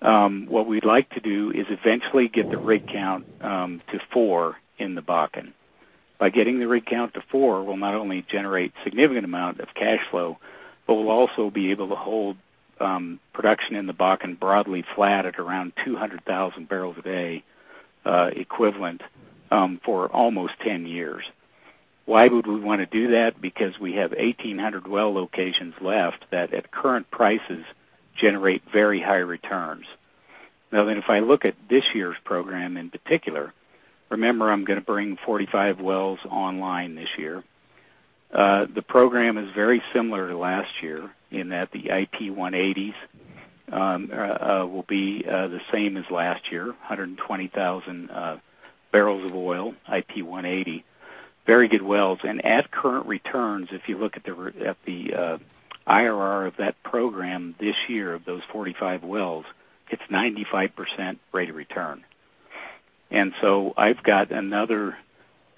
what we'd like to do is eventually get the rig count to four in the Bakken. By getting the rig count to four, we'll not only generate significant amount of cash flow, but we'll also be able to hold production in the Bakken broadly flat at around 200,000 bbl/day equivalent for almost 10 years. Why would we want to do that? We have 1,800 well locations left that at current prices generate very high returns. If I look at this year's program in particular, remember I'm going to bring 45 wells online this year. The program is very similar to last year in that the IP 180s will be the same as last year, 120,000 bbl of oil, IP 180. Very good wells. At current returns, if you look at the IRR of that program this year of those 45 wells, it's 95% rate of return.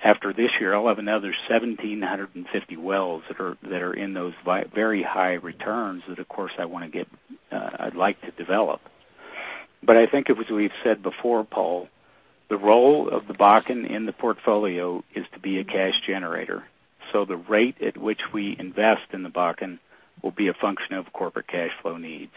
After this year, I'll have another 1,750 wells that are in those very high returns that of course I'd like to develop. I think as we've said before, Paul, the role of the Bakken in the portfolio is to be a cash generator. The rate at which we invest in the Bakken will be a function of corporate cash flow needs.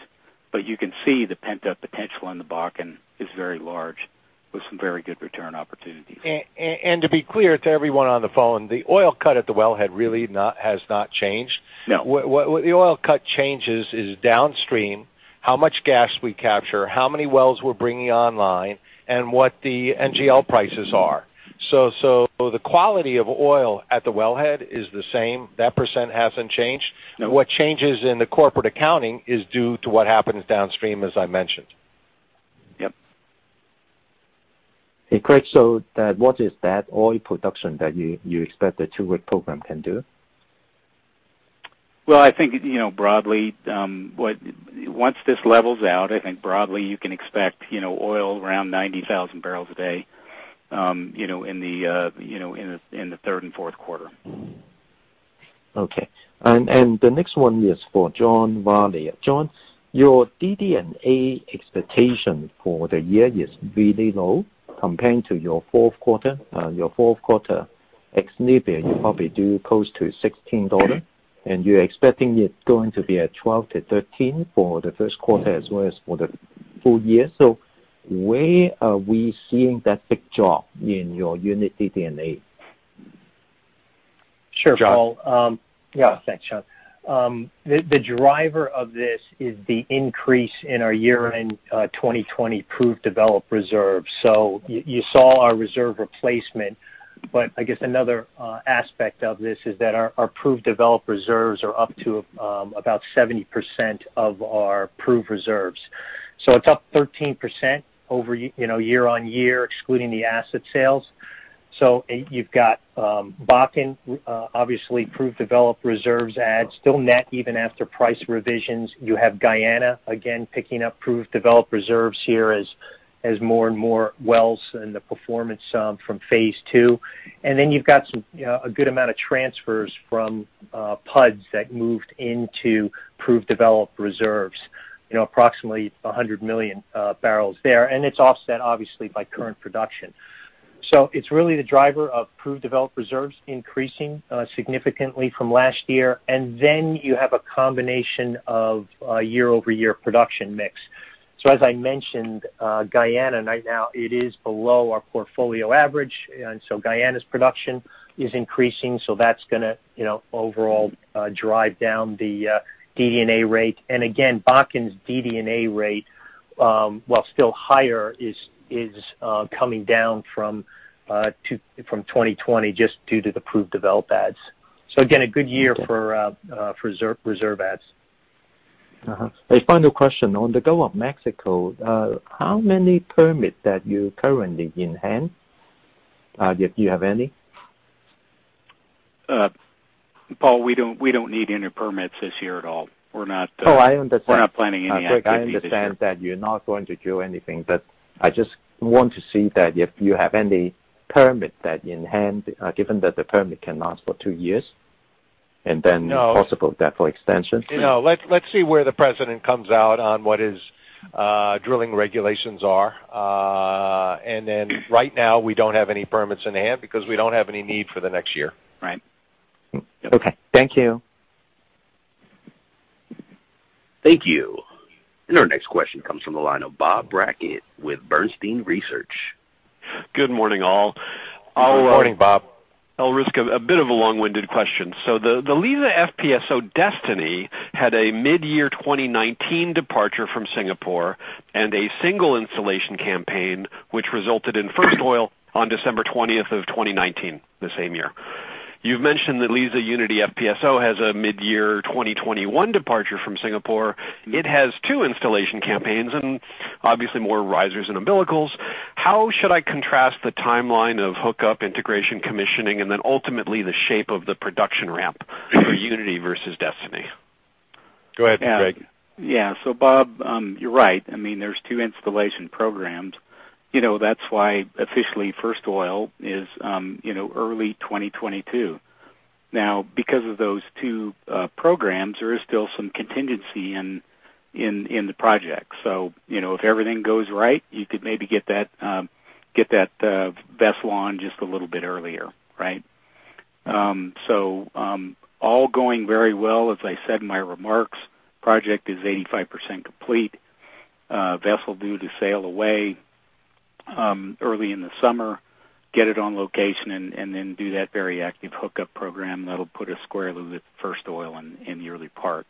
You can see the pent-up potential in the Bakken is very large with some very good return opportunities. To be clear to everyone on the phone, the oil cut at the wellhead really has not changed. No. Where the oil cut changes is downstream, how much gas we capture, how many wells we're bringing online, and what the NGL prices are. The quality of oil at the wellhead is the same. That percent hasn't changed. No. What changes in the corporate accounting is due to what happens downstream, as I mentioned. Yep. Greg, what is that oil production that you expect the two-rig program can do? Well, I think, once this levels out, I think broadly you can expect oil around 90,000 bbl/day in the third and fourth quarter. The next one is for John Rielly. John, your DD&A expectation for the year is really low compared to your fourth quarter. Your fourth quarter ex-Libya, you probably do close to $16. You're expecting it's going to be at $12-$13 for the first quarter as well as for the full year. Where are we seeing that big drop in your unit DD&A? Sure, Paul. John. Thanks, John. The driver of this is the increase in our year-end 2020 proved developed reserves. You saw our reserve replacement, I guess another aspect of this is that our proved developed reserves are up to about 70% of our proved reserves. It's up 13% over year-over-year, excluding the asset sales. You've got Bakken, obviously proved developed reserves adds. Still net even after price revisions. You have Guyana again picking up proved developed reserves here as more and more wells and the performance from Phase 2. You've got a good amount of transfers from PUDs that moved into proved developed reserves. Approximately 100 million bbl there. It's offset obviously by current production. It's really the driver of proved developed reserves increasing significantly from last year and then you have a combination of year-over-year production mix. As I mentioned, Guyana right now it is below our portfolio average, and so Guyana's production is increasing, so that's going to overall drive down the DD&A rate. Again, Bakken's DD&A rate, while still higher, is coming down from 2020 just due to the proved developed adds. Again, a good year for reserve adds. A final question. On the Gulf of Mexico, how many permits that you currently in hand, if you have any? Paul, we don't need any permits this year at all. Oh, I understand. We're not planning any activity this year. I understand that you're not going to do anything. I just want to see that if you have any permit that in hand, given that the permit can last for two years. No. Possible therefore extension. No. Let's see where the president comes out on what his drilling regulations are. Right now, we don't have any permits in hand because we don't have any need for the next year. Thank you. Thank you. Our next question comes from the line of Bob Brackett with Bernstein Research. Good morning, all. Good morning, Bob. I'll risk a bit of a long-winded question. The Liza FPSO Destiny had a midyear 2019 departure from Singapore and a single installation campaign, which resulted in first oil on December 20th of 2019, the same year. You've mentioned that Liza Unity FPSO has a midyear 2021 departure from Singapore. It has two installation campaigns and obviously more risers and umbilicals. How should I contrast the timeline of hookup, integration, commissioning, and then ultimately the shape of the production ramp for Unity versus Destiny? Go ahead, Greg. Bob, you're right. There's two installation programs. That's why officially first oil is early 2022. Now, because of those two programs, there is still some contingency in the project. If everything goes right, you could maybe get that vessel on just a little bit earlier. All going very well. As I said in my remarks, project is 85% complete. Vessel due to sail away early in the summer, get it on location, and then do that very active hookup program that'll put us squarely with first oil in the early part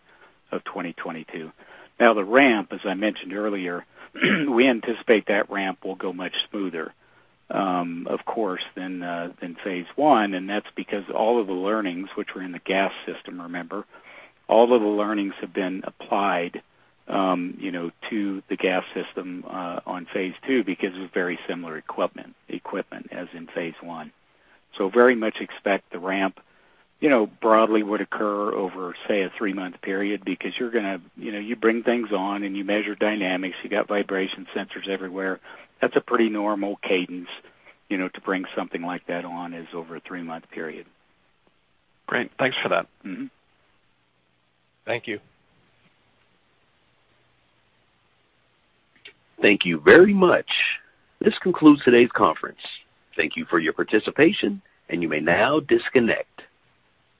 of 2022. The ramp, as I mentioned earlier, we anticipate that ramp will go much smoother, of course, than Phase 1, and that's because all of the learnings, which were in the gas system, remember, all of the learnings have been applied to the gas system on Phase 2 because it's very similar equipment as in Phase 1. Very much expect the ramp broadly would occur over, say, a three-month period because you bring things on, and you measure dynamics. You've got vibration sensors everywhere. That's a pretty normal cadence to bring something like that on is over a three-month period. Great. Thanks for that. Thank you. Thank you very much. This concludes today's conference. Thank you for your participation, and you may now disconnect.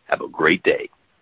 Have a great day.